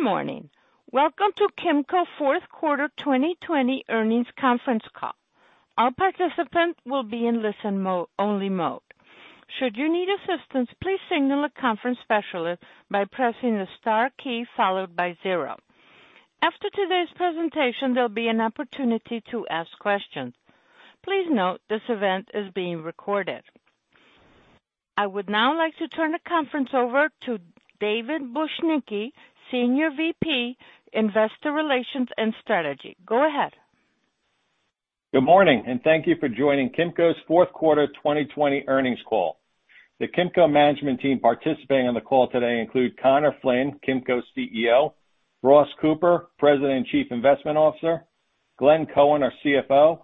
Good morning. Welcome to Kimco Fourth Quarter 2020 Earnings Conference Call. All participants will be in listen only mode. Should you need assistance, please signal a conference specialist by pressing the star key followed by zero. After today's presentation, there'll be an opportunity to ask questions. Please note this event is being recorded. I would now like to turn the conference over to David Bujnicki, Senior VP, Investor Relations and Strategy. Go ahead. Good morning, thank you for joining Kimco's fourth quarter 2020 earnings call. The Kimco management team participating on the call today include Conor Flynn, Kimco's CEO, Ross Cooper, President and Chief Investment Officer, Glenn Cohen, our CFO,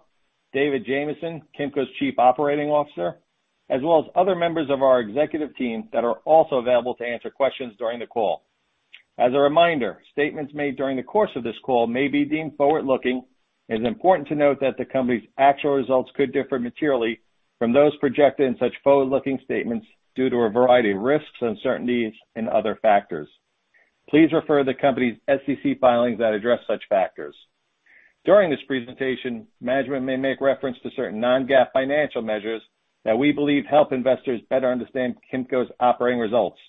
David Jamieson, Kimco's Chief Operating Officer, as well as other members of our executive team that are also available to answer questions during the call. As a reminder, statements made during the course of this call may be deemed forward-looking, it's important to note that the company's actual results could differ materially from those projected in such forward-looking statements due to a variety of risks, uncertainties, and other factors. Please refer to the company's SEC filings that address such factors. During this presentation, management may make reference to certain non-GAAP financial measures that we believe help investors better understand Kimco's operating results.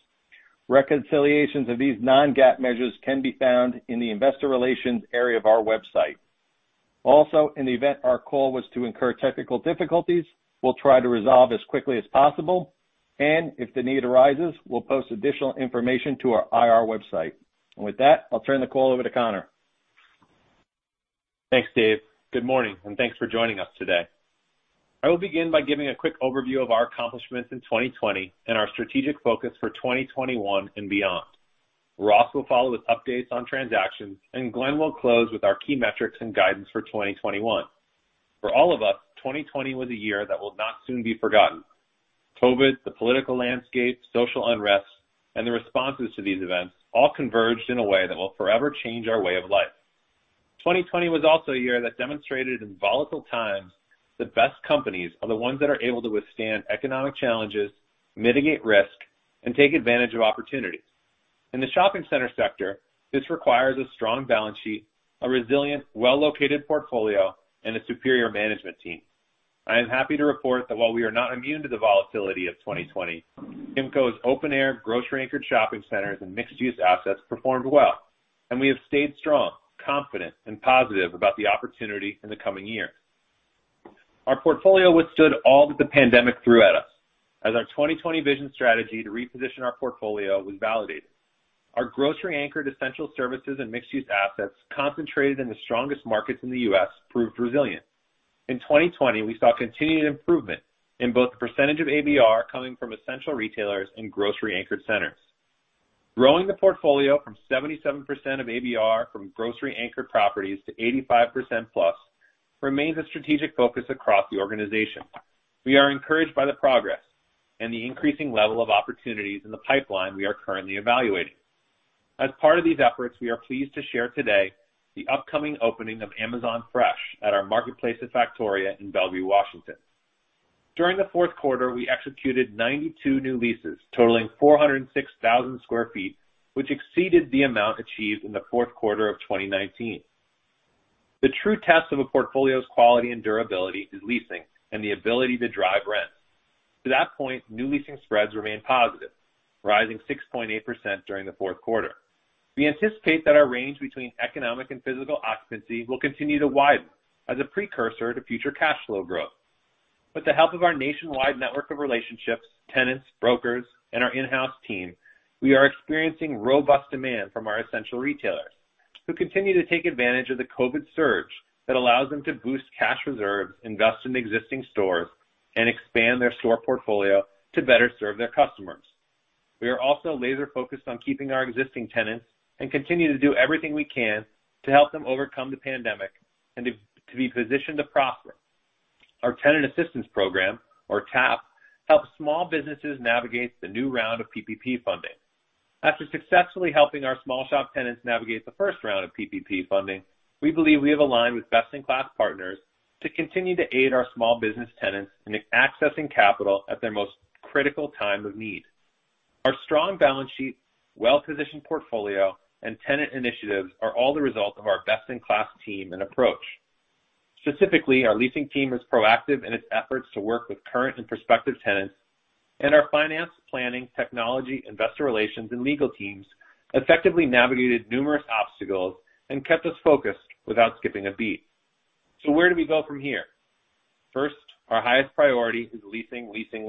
Reconciliations of these non-GAAP measures can be found in the investor relations area of our website. In the event our call was to incur technical difficulties, we'll try to resolve as quickly as possible, and if the need arises, we'll post additional information to our IR website. With that, I'll turn the call over to Conor. Thanks, David. Good morning, and thanks for joining us today. I will begin by giving a quick overview of our accomplishments in 2020 and our strategic focus for 2021 and beyond. Ross will follow with updates on transactions. Glenn will close with our key metrics and guidance for 2021. For all of us, 2020 was a year that will not soon be forgotten. COVID, the political landscape, social unrest, and the responses to these events all converged in a way that will forever change our way of life. 2020 was also a year that demonstrated in volatile times the best companies are the ones that are able to withstand economic challenges, mitigate risk, and take advantage of opportunities. In the shopping center sector, this requires a strong balance sheet, a resilient, well-located portfolio, and a superior management team. I am happy to report that while we are not immune to the volatility of 2020, Kimco's open air grocery anchored shopping centers and mixed-use assets performed well, and we have stayed strong, confident, and positive about the opportunity in the coming year. Our portfolio withstood all that the pandemic threw at us as our 2020 vision strategy to reposition our portfolio was validated. Our grocery anchored essential services and mixed-use assets concentrated in the strongest markets in the U.S. proved resilient. In 2020, we saw continued improvement in both the % of ABR coming from essential retailers and grocery anchored centers. Growing the portfolio from 77% of ABR from grocery anchored properties to 85% plus remains a strategic focus across the organization. We are encouraged by the progress and the increasing level of opportunities in the pipeline we are currently evaluating. As part of these efforts, we are pleased to share today the upcoming opening of Amazon Fresh at our Marketplace at Factoria in Bellevue, Washington. During the fourth quarter, we executed 92 new leases totaling 406,000 sq ft, which exceeded the amount achieved in the fourth quarter of 2019. The true test of a portfolio's quality and durability is leasing and the ability to drive rent. To that point, new leasing spreads remain positive, rising 6.8% during the fourth quarter. We anticipate that our range between economic and physical occupancy will continue to widen as a precursor to future cash flow growth. With the help of our nationwide network of relationships, tenants, brokers, and our in-house team, we are experiencing robust demand from our essential retailers who continue to take advantage of the COVID surge that allows them to boost cash reserves, invest in existing stores, and expand their store portfolio to better serve their customers. We are also laser focused on keeping our existing tenants and continue to do everything we can to help them overcome the pandemic and to be positioned to prosper. Our tenant assistance program, or TAP, helps small businesses navigate the new round of PPP funding. After successfully helping our small shop tenants navigate the first round of PPP funding, we believe we have aligned with best-in-class partners to continue to aid our small business tenants in accessing capital at their most critical time of need. Our strong balance sheet, well-positioned portfolio, and tenant initiatives are all the result of our best-in-class team and approach. Specifically, our leasing team was proactive in its efforts to work with current and prospective tenants, and our finance, planning, technology, Investor Relations, and legal teams effectively navigated numerous obstacles and kept us focused without skipping a beat. Where do we go from here? First, our highest priority is leasing, leasing.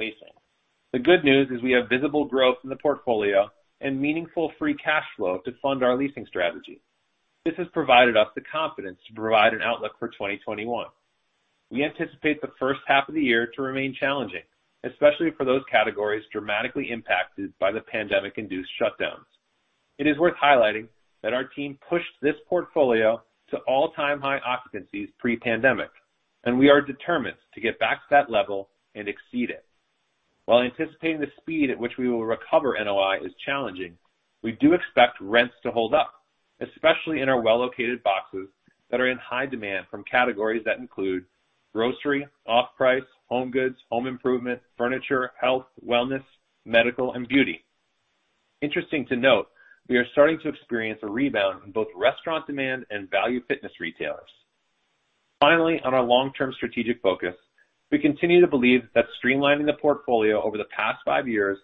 The good news is we have visible growth in the portfolio and meaningful free cash flow to fund our leasing strategy. This has provided us the confidence to provide an outlook for 2021. We anticipate the first half of the year to remain challenging, especially for those categories dramatically impacted by the pandemic-induced shutdowns. It is worth highlighting that our team pushed this portfolio to all time high occupancies pre-pandemic, and we are determined to get back to that level and exceed it. While anticipating the speed at which we will recover NOI is challenging, we do expect rents to hold up, especially in our well located boxes that are in high demand from categories that include Grocery, off-price, home goods, home improvement, furniture, health, wellness, medical, and beauty. Interesting to note, we are starting to experience a rebound in both restaurant demand and value fitness retailers. Finally, on our long-term strategic focus, we continue to believe that streamlining the portfolio over the past five years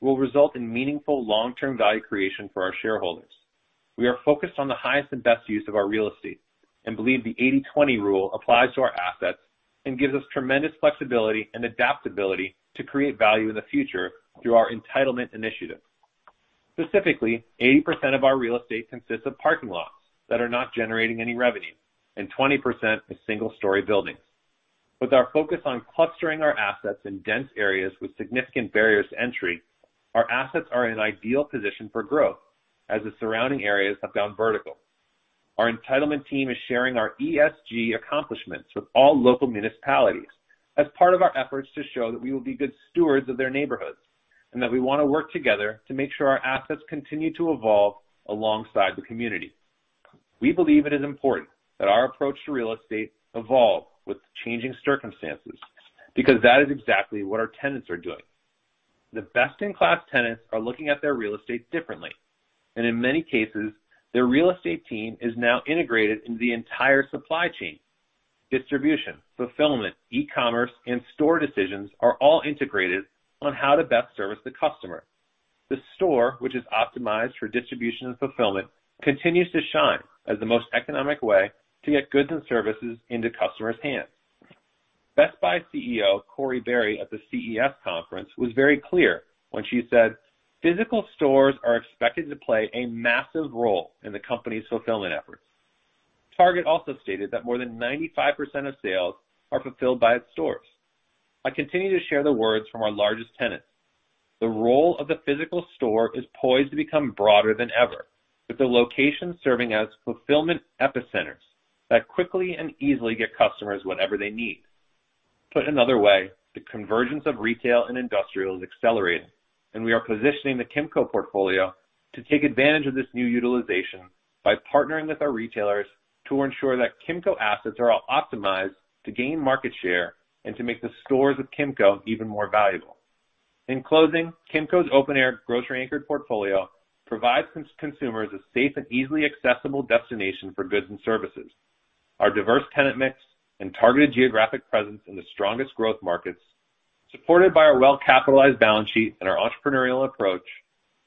will result in meaningful long-term value creation for our shareholders. We are focused on the highest and best use of our real estate and believe the 80/20 rule applies to our assets and gives us tremendous flexibility and adaptability to create value in the future through our entitlement initiative. Specifically, 80% of our real estate consists of parking lots that are not generating any revenue, and 20% is single-story buildings. With our focus on clustering our assets in dense areas with significant barriers to entry, our assets are in ideal position for growth as the surrounding areas have gone vertical. Our entitlement team is sharing our ESG accomplishments with all local municipalities as part of our efforts to show that we will be good stewards of their neighborhoods, and that we want to work together to make sure our assets continue to evolve alongside the community. We believe it is important that our approach to real estate evolve with changing circumstances, because that is exactly what our tenants are doing. The best-in-class tenants are looking at their real estate differently, and in many cases, their real estate team is now integrated into the entire supply chain. Distribution, fulfillment, e-commerce, and store decisions are all integrated on how to best service the customer. The store, which is optimized for distribution and fulfillment, continues to shine as the most economic way to get goods and services into customers' hands. Best Buy CEO, Corie Barry, at the CES conference was very clear when she said physical stores are expected to play a massive role in the company's fulfillment efforts. Target also stated that more than 95% of sales are fulfilled by its stores. I continue to share the words from our largest tenants. The role of the physical store is poised to become broader than ever, with the location serving as fulfillment epicenters that quickly and easily get customers whatever they need. Put another way, the convergence of retail and industrial is accelerating, and we are positioning the Kimco portfolio to take advantage of this new utilization by partnering with our retailers to ensure that Kimco assets are all optimized to gain market share and to make the stores of Kimco even more valuable. In closing, Kimco's open-air grocery anchored portfolio provides consumers a safe and easily accessible destination for goods and services. Our diverse tenant mix and targeted geographic presence in the strongest growth markets, supported by our well-capitalized balance sheet and our entrepreneurial approach,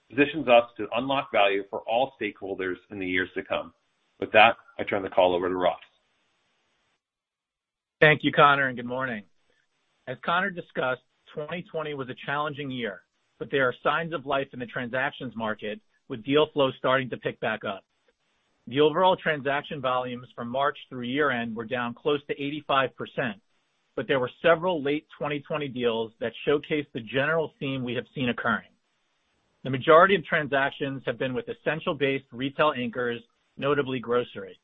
positions us to unlock value for all stakeholders in the years to come. With that, I turn the call over to Ross. Thank you, Conor. Good morning. As Conor discussed, 2020 was a challenging year, but there are signs of life in the transactions market with deal flow starting to pick back up. The overall transaction volumes from March through year-end were down close to 85%, but there were several late 2020 deals that showcased the general theme we have seen occurring. The majority of transactions have been with essential-based retail anchors, notably grocery.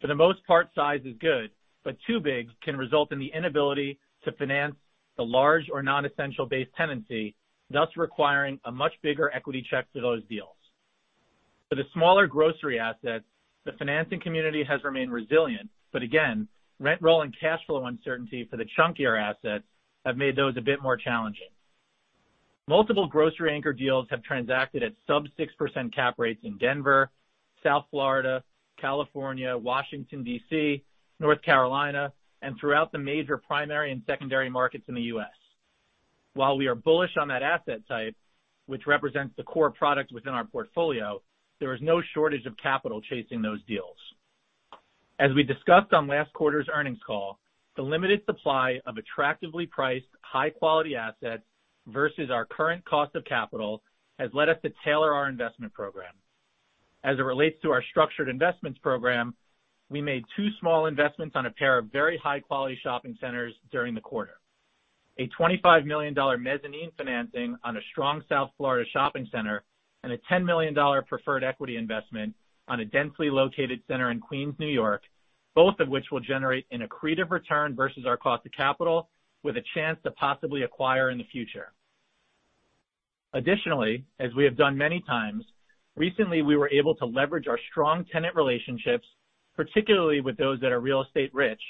For the most part, size is good, but too big can result in the inability to finance the large or non-essential-based tenancy, thus requiring a much bigger equity check for those deals. For the smaller grocery assets, the financing community has remained resilient, but again, rent roll and cash flow uncertainty for the chunkier assets have made those a bit more challenging. Multiple grocery anchor deals have transacted at sub 6% cap rates in Denver, South Florida, California, Washington D.C., North Carolina, and throughout the major primary and secondary markets in the U.S. While we are bullish on that asset type, which represents the core product within our portfolio, there is no shortage of capital chasing those deals. As we discussed on last quarter's earnings call, the limited supply of attractively priced, high-quality assets versus our current cost of capital has led us to tailor our investment program. As it relates to our structured investments program, we made two small investments on a pair of very high-quality shopping centers during the quarter. A $25 million mezzanine financing on a strong South Florida shopping center and a $10 million preferred equity investment on a densely located center in Queens, N.Y., both of which will generate an accretive return versus our cost of capital with a chance to possibly acquire in the future. Additionally, as we have done many times, recently, we were able to leverage our strong tenant relationships, particularly with those that are real estate rich,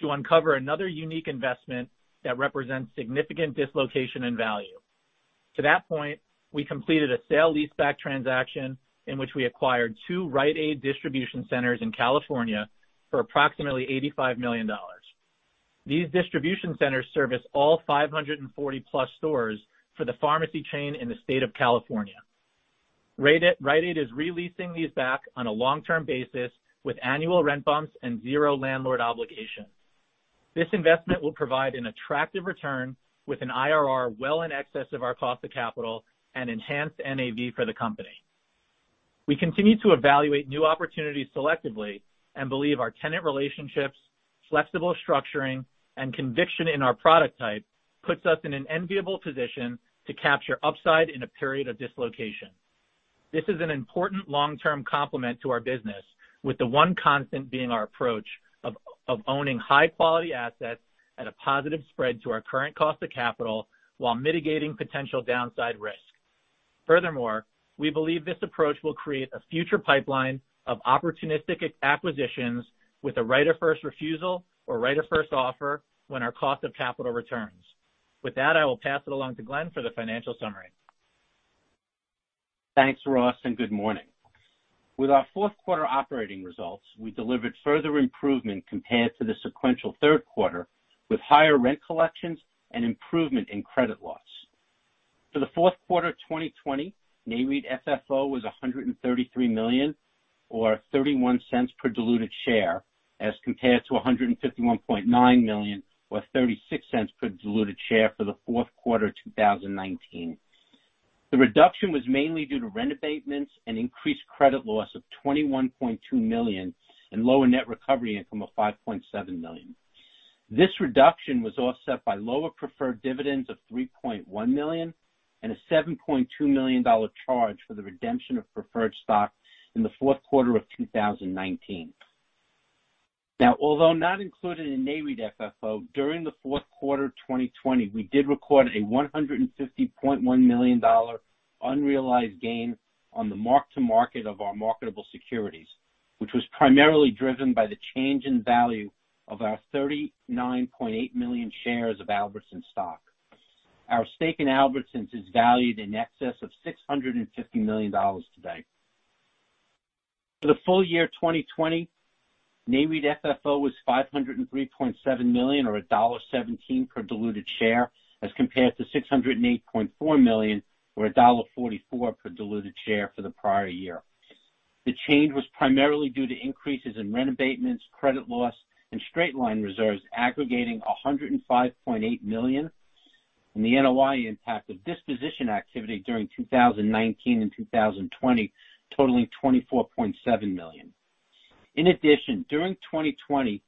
to uncover another unique investment that represents significant dislocation in value. To that point, we completed a sale leaseback transaction in which we acquired two Rite Aid distribution centers in California for approximately $85 million. These distribution centers service all 540-plus stores for the pharmacy chain in the state of California. Rite Aid is re-leasing these back on a long-term basis with annual rent bumps and zero landlord obligation. This investment will provide an attractive return with an IRR well in excess of our cost of capital and enhance NAV for the company. We continue to evaluate new opportunities selectively and believe our tenant relationships, flexible structuring, and conviction in our product type puts us in an enviable position to capture upside in a period of dislocation. This is an important long-term complement to our business, with the one constant being our approach of owning high-quality assets at a positive spread to our current cost of capital while mitigating potential downside risk. We believe this approach will create a future pipeline of opportunistic acquisitions with a right of first refusal or right of first offer when our cost of capital returns. With that, I will pass it along to Glenn for the financial summary. Thanks, Ross. Good morning. With our fourth quarter operating results, we delivered further improvement compared to the sequential third quarter, with higher rent collections and improvement in credit loss. For the fourth quarter 2020, Nareit FFO was $133 million or $0.31 per diluted share as compared to $151.9 million or $0.36 per diluted share for the fourth quarter 2019. The reduction was mainly due to rent abatements and increased credit loss of $21.2 million and lower net recovery income of $5.7 million. This reduction was offset by lower preferred dividends of $3.1 million and a $7.2 million charge for the redemption of preferred stock in the fourth quarter of 2019. Now, although not included in Nareit FFO, during the fourth quarter 2020, we did record a $150.1 million unrealized gain on the mark to market of our marketable securities, which was primarily driven by the change in value of our 39.8 million shares of Albertsons stock. Our stake in Albertsons is valued in excess of $650 million today. For the full year 2020, Nareit FFO was $503.7 million or $1.17 per diluted share as compared to $608.4 million or $1.44 per diluted share for the prior year. The change was primarily due to increases in rent abatements, credit loss, and straight-line reserves aggregating $105.8 million, and the NOI impact of disposition activity during 2019 and 2020 totaling $24.7 million. In addition, during 2020,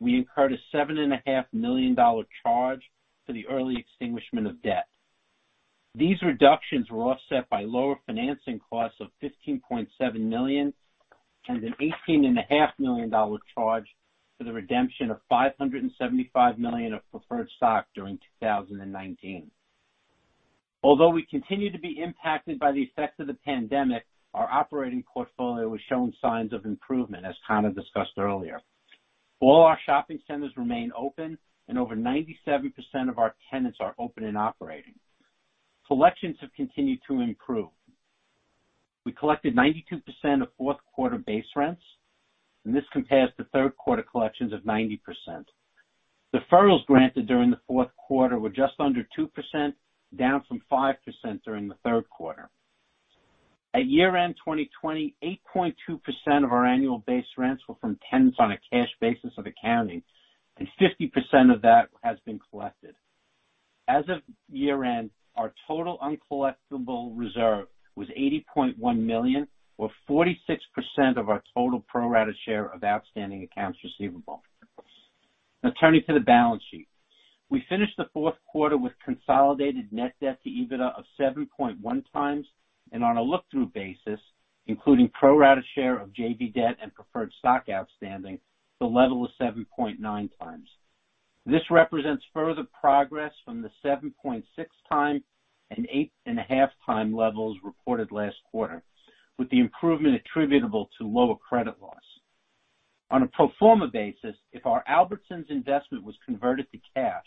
we incurred a $7.5 million charge for the early extinguishment of debt. These reductions were offset by lower financing costs of $15.7 million and an $18.5 million charge for the redemption of $575 million of preferred stock during 2019. Although we continue to be impacted by the effects of the pandemic, our operating portfolio was showing signs of improvement, as Conor discussed earlier. All our shopping centers remain open and over 97% of our tenants are open and operating. Collections have continued to improve. We collected 92% of fourth quarter base rents, this compares to third quarter collections of 90%. Deferrals granted during the fourth quarter were just under 2%, down from 5% during the third quarter. At year end 2020, 8.2% of our annual base rents were from tenants on a cash basis of accounting, and 50% of that has been collected. As of year end, our total uncollectible reserve was $80.1 million, or 46% of our total pro rata share of outstanding accounts receivable. Turning to the balance sheet. We finished the fourth quarter with consolidated net debt to EBITDA of 7.1 times and on a look-through basis, including pro rata share of JV debt and preferred stock outstanding, the level is 7.9 times. This represents further progress from the 7.6 times and 8.5 times levels reported last quarter, with the improvement attributable to lower credit loss. On a pro forma basis, if our Albertsons investment was converted to cash,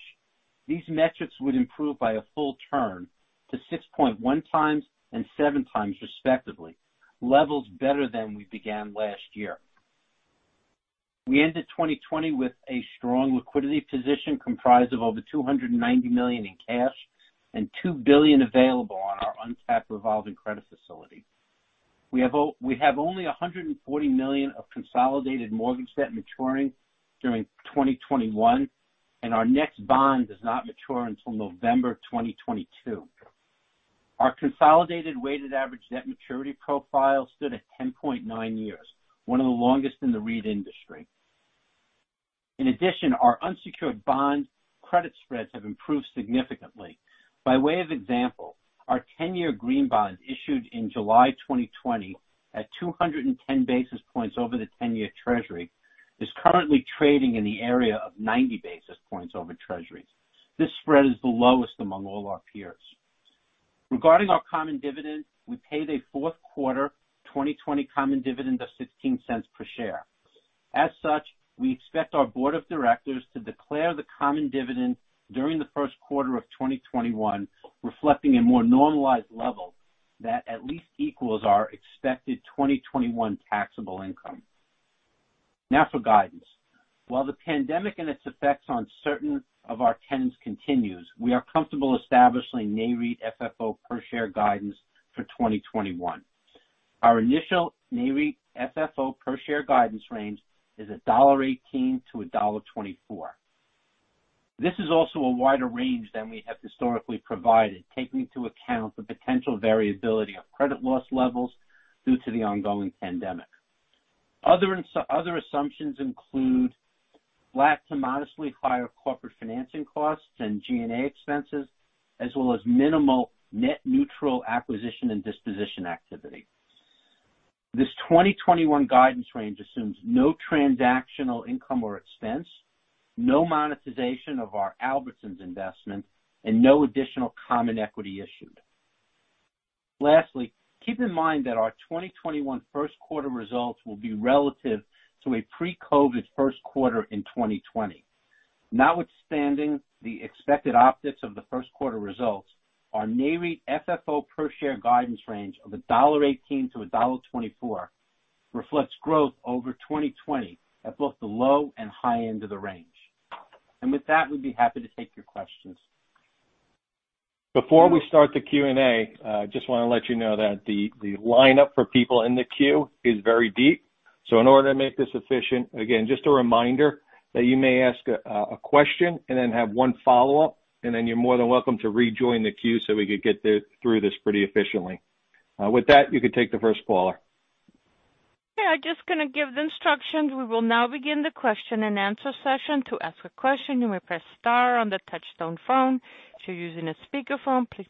these metrics would improve by a full turn to 6.1 times and seven times respectively, levels better than we began last year. We ended 2020 with a strong liquidity position comprised of over $290 million in cash and $2 billion available on our untapped revolving credit facility. We have only $140 million of consolidated mortgage debt maturing during 2021, and our next bond does not mature until November 2022. Our consolidated weighted average debt maturity profile stood at 10.9 years, one of the longest in the REIT industry. In addition, our unsecured bond credit spreads have improved significantly. By way of example, our 10-year green bond issued in July 2020 at 210 basis points over the 10-year Treasury is currently trading in the area of 90 basis points over Treasuries. This spread is the lowest among all our peers. Regarding our common dividend, we paid a fourth quarter 2020 common dividend of $0.16 per share. As such, we expect our board of directors to declare the common dividend during the first quarter of 2021, reflecting a more normalized level that at least equals our expected 2021 taxable income. Now for guidance. While the pandemic and its effects on certain of our tenants continues, we are comfortable establishing Nareit FFO per share guidance for 2021. Our initial Nareit FFO per share guidance range is $1.18-$1.24. This is also a wider range than we have historically provided, taking into account the potential variability of credit loss levels due to the ongoing pandemic. Other assumptions include flat to modestly higher corporate financing costs and G&A expenses, as well as minimal net neutral acquisition and disposition activity. This 2021 guidance range assumes no transactional income or expense, no monetization of our Albertsons investment, and no additional common equity issued. Keep in mind that our 2021 first quarter results will be relative to a pre-COVID first quarter in 2020. Notwithstanding the expected optics of the first quarter results, our Nareit FFO per share guidance range of $1.18-$1.24 reflects growth over 2020 at both the low and high end of the range. With that, we'd be happy to take your questions. Before we start the Q&A, just want to let you know that the lineup for people in the queue is very deep. In order to make this efficient, again, just a reminder that you may ask a question and then have one follow-up, and then you're more than welcome to rejoin the queue so we could get through this pretty efficiently. With that, you could take the first caller. I just gonna give instructions, we will now begin question and answer session, to ask a question you may press star on the touchtone phone, if you are using a speaker set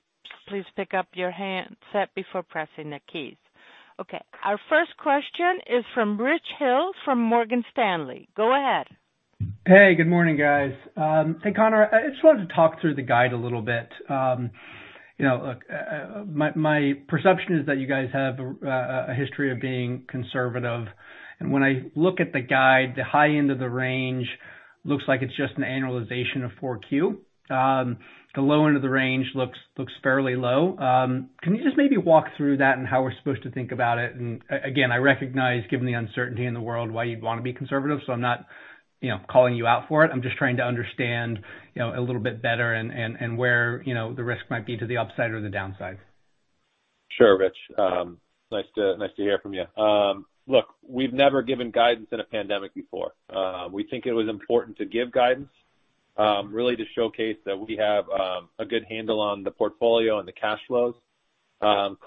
please pick up your handset before you ask a question. Our first question is from Richard Hill from Morgan Stanley. Go ahead. Hey, good morning, guys. Hey, Conor, I just wanted to talk through the guide a little bit. My perception is that you guys have a history of being conservative, and when I look at the guide, the high end of the range looks like it's just an annualization of Q4. The low end of the range looks fairly low. Can you just maybe walk through that and how we're supposed to think about it? Again, I recognize, given the uncertainty in the world, why you'd want to be conservative, so I'm not calling you out for it. I'm just trying to understand a little bit better and where the risk might be to the upside or the downside. Sure, Rich. Nice to hear from you. Look, we've never given guidance in a pandemic before. We think it was important to give guidance, really to showcase that we have a good handle on the portfolio and the cash flows.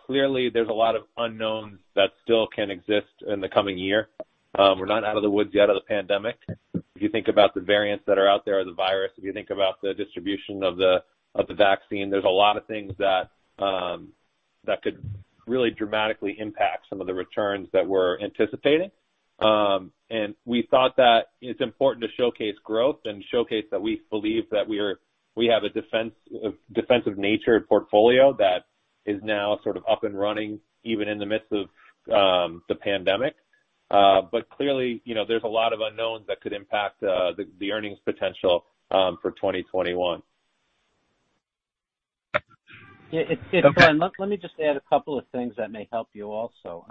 Clearly, there's a lot of unknowns that still can exist in the coming year. We're not out of the woods yet of the pandemic. If you think about the variants that are out there of the virus, if you think about the distribution of the vaccine, there's a lot of things that could really dramatically impact some of the returns that we're anticipating. We thought that it's important to showcase growth and showcase that we believe that we have a defensive nature and portfolio that is now sort of up and running, even in the midst of the pandemic. Clearly, there's a lot of unknowns that could impact the earnings potential for 2021. Yeah. Let me just add a couple of things that may help you also.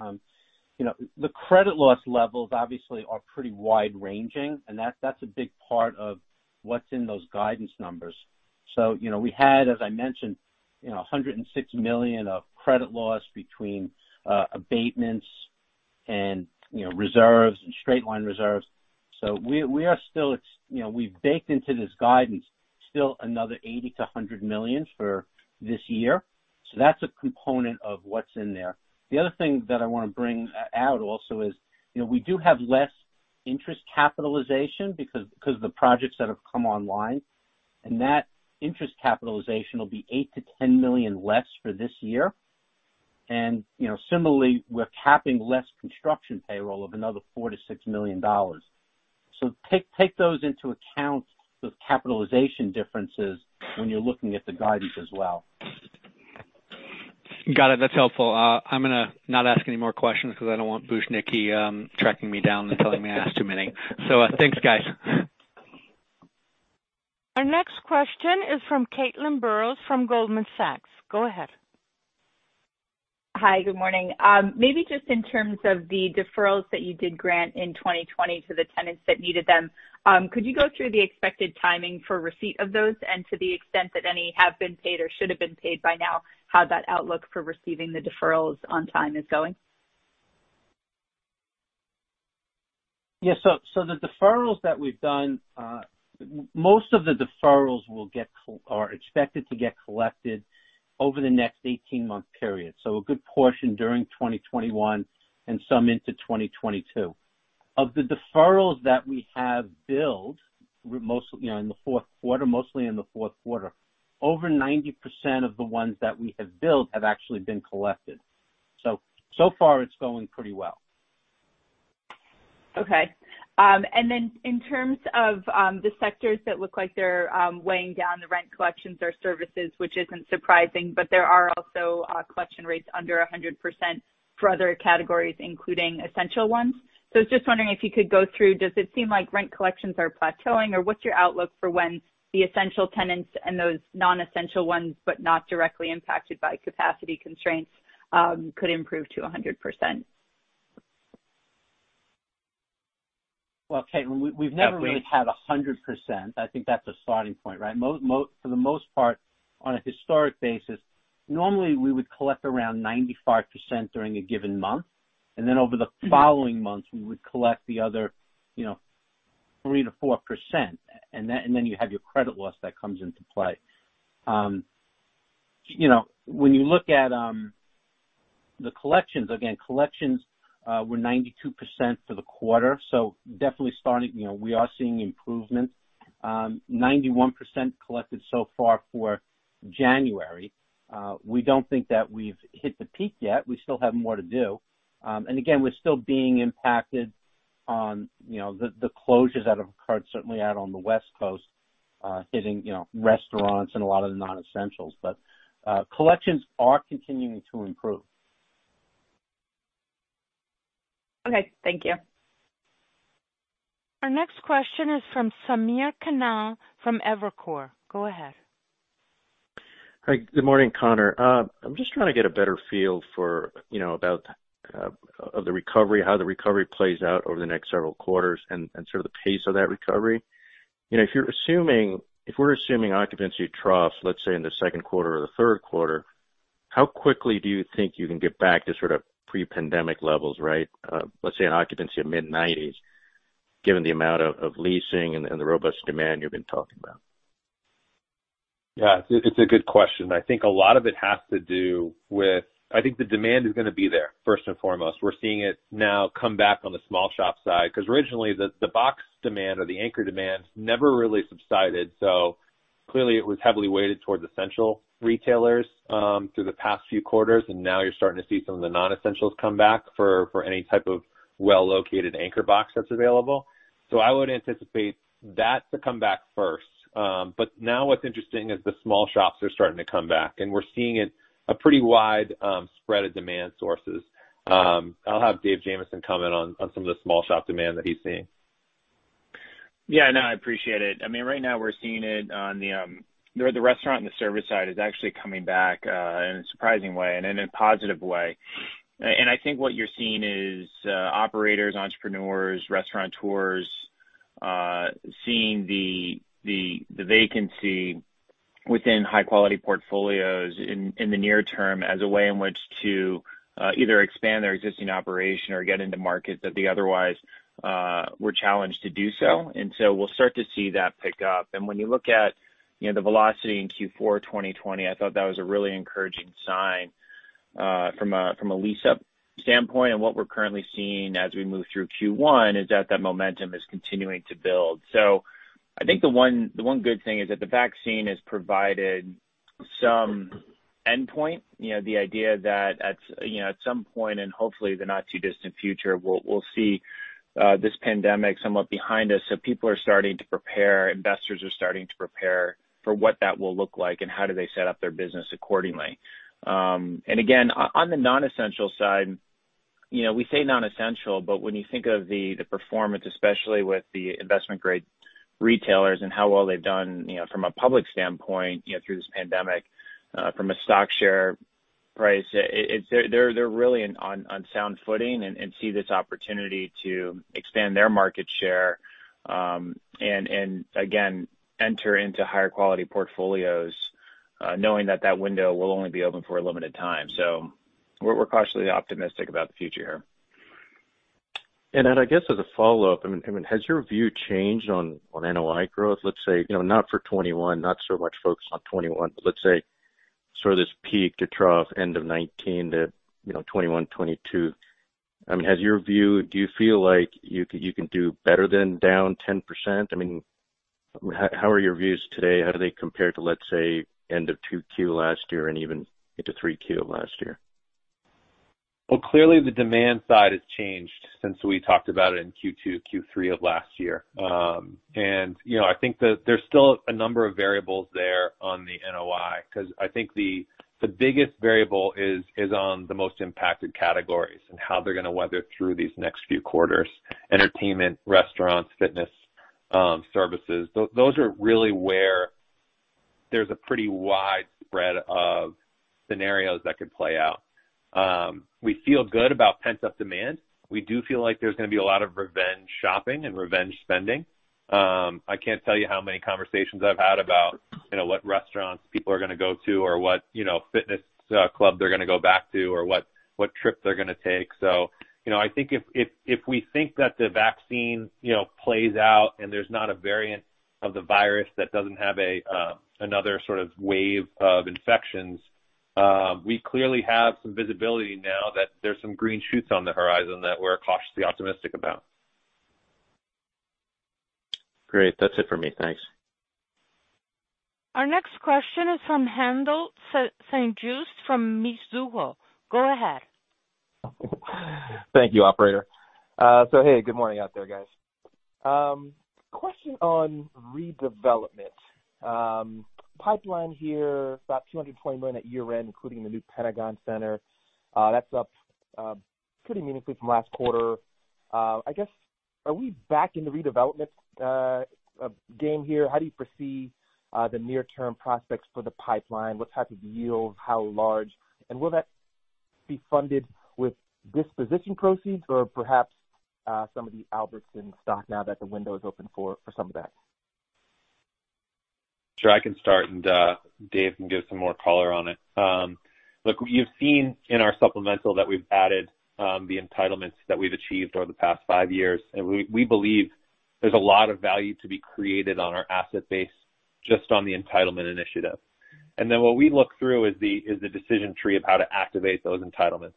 The credit loss levels obviously are pretty wide-ranging, and that's a big part of what's in those guidance numbers. We had, as I mentioned, $106 million of credit loss between abatements and reserves and straight-line reserves. We've baked into this guidance still another $80 million-$100 million for this year. That's a component of what's in there. The other thing that I want to bring out also is we do have less interest capitalization because of the projects that have come online, and that interest capitalization will be $8 million-$10 million less for this year. Similarly, we're capping less construction payroll of another $4 million-$6 million. Take those into account, those capitalization differences, when you're looking at the guidance as well. Got it. That's helpful. I'm going to not ask any more questions because I don't want Bujnicki tracking me down and telling me I asked too many. Thanks, guys. Our next question is from Caitlin Burrows from Goldman Sachs. Go ahead. Hi. Good morning. Maybe just in terms of the deferrals that you did grant in 2020 to the tenants that needed them, could you go through the expected timing for receipt of those? To the extent that any have been paid or should have been paid by now, how that outlook for receiving the deferrals on time is going? Yeah. The deferrals that we've done, most of the deferrals are expected to get collected over the next 18-month period. A good portion during 2021 and some into 2022. Of the deferrals that we have billed mostly in the fourth quarter, over 90% of the ones that we have billed have actually been collected. So far it's going pretty well. Okay. In terms of the sectors that look like they're weighing down the rent collections or services, which isn't surprising, but there are also collection rates under 100% for other categories, including essential ones. I was just wondering if you could go through, does it seem like rent collections are plateauing, or what's your outlook for when the essential tenants and those non-essential ones, but not directly impacted by capacity constraints, could improve to 100%? Well, Caitlin, we've never really had 100%. I think that's a starting point, right? For the most part, on a historic basis, normally we would collect around 95% during a given month, then over the following months, we would collect the other 3%-4%. You have your credit loss that comes into play. When you look at the collections, again, collections were 92% for the quarter. Definitely starting. We are seeing improvement. 91% collected so far for January. We don't think that we've hit the peak yet. We still have more to do. Again, we're still being impacted on the closures that have occurred, certainly out on the West Coast, hitting restaurants and a lot of the non-essentials. Collections are continuing to improve. Okay. Thank you. Our next question is from Samir Khanal from Evercore. Go ahead. Hi. Good morning, Conor. I'm just trying to get a better feel of the recovery, how the recovery plays out over the next several quarters, and sort of the pace of that recovery. If we're assuming occupancy troughs, let's say, in the second quarter or the third quarter, how quickly do you think you can get back to sort of pre-pandemic levels, let's say an occupancy of mid-nineties, given the amount of leasing and the robust demand you've been talking about? Yeah. It's a good question. I think the demand is going to be there, first and foremost. We're seeing it now come back on the small shop side, because originally, the box demand or the anchor demand never really subsided. Clearly it was heavily weighted towards essential retailers through the past few quarters, and now you're starting to see some of the non-essentials come back for any type of well-located anchor box that's available. I would anticipate that to come back first. Now what's interesting is the small shops are starting to come back, and we're seeing a pretty wide spread of demand sources. I'll have Dave Jamieson comment on some of the small shop demand that he's seeing. Yeah. No, I appreciate it. Right now we're seeing it on the restaurant and the service side is actually coming back in a surprising way and in a positive way. I think what you're seeing is operators, entrepreneurs, restaurateurs seeing the vacancy within high-quality portfolios in the near term as a way in which to either expand their existing operation or get into markets that they otherwise were challenged to do so. We'll start to see that pick up. When you look at the velocity in Q4 2020, I thought that was a really encouraging sign from a lease-up standpoint. What we're currently seeing as we move through Q1 is that that momentum is continuing to build. I think the one good thing is that the vaccine has provided some endpoint. The idea that at some point, and hopefully the not too distant future, we'll see this pandemic somewhat behind us. People are starting to prepare, investors are starting to prepare for what that will look like and how do they set up their business accordingly. Again, on the non-essential side, we say non-essential, but when you think of the performance, especially with the investment-grade retailers and how well they've done from a public standpoint through this pandemic from a stock share price, they're really on sound footing and see this opportunity to expand their market share. Again, enter into higher quality portfolios knowing that that window will only be open for a limited time. We're cautiously optimistic about the future here. I guess as a follow-up, has your view changed on NOI growth, let's say, not for 2021, not so much focused on 2021, but let's say sort of this peak to trough end of 2019-2021, 2022. Do you feel like you can do better than down 10%? How are your views today? How do they compare to, let's say, end of 2Q last year and even into 3Q of last year? Clearly the demand side has changed since we talked about it in Q2, Q3 of last year. I think that there's still a number of variables there on the NOI, because I think the biggest variable is on the most impacted categories and how they're going to weather through these next few quarters. Entertainment, restaurants, fitness, services. Those are really where there's a pretty wide spread of scenarios that could play out. We feel good about pent-up demand. We do feel like there's going to be a lot of revenge shopping and revenge spending. I can't tell you how many conversations I've had about what restaurants people are going to go to or what fitness club they're going to go back to or what trip they're going to take. I think if we think that the vaccine plays out and there's not a variant of the virus that doesn't have another sort of wave of infections, we clearly have some visibility now that there's some green shoots on the horizon that we're cautiously optimistic about. Great. That's it for me. Thanks. Our next question is from Haendel St. Juste from Mizuho. Go ahead. Thank you, operator. Hey, good morning out there, guys. Question on redevelopment. Pipeline here, about $220 million at year-end, including the new Pentagon Centre. That's up pretty meaningfully from last quarter. I guess, are we back in the redevelopment game here? How do you foresee the near-term prospects for the pipeline? What type of yields, how large, and will that be funded with disposition proceeds or perhaps some of the Albertsons stock now that the window is open for some of that? Sure, I can start and Dave can give some more color on it. Look, you've seen in our supplemental that we've added the entitlements that we've achieved over the past five years, and we believe there's a lot of value to be created on our asset base just on the entitlement initiative. What we look through is the decision tree of how to activate those entitlements.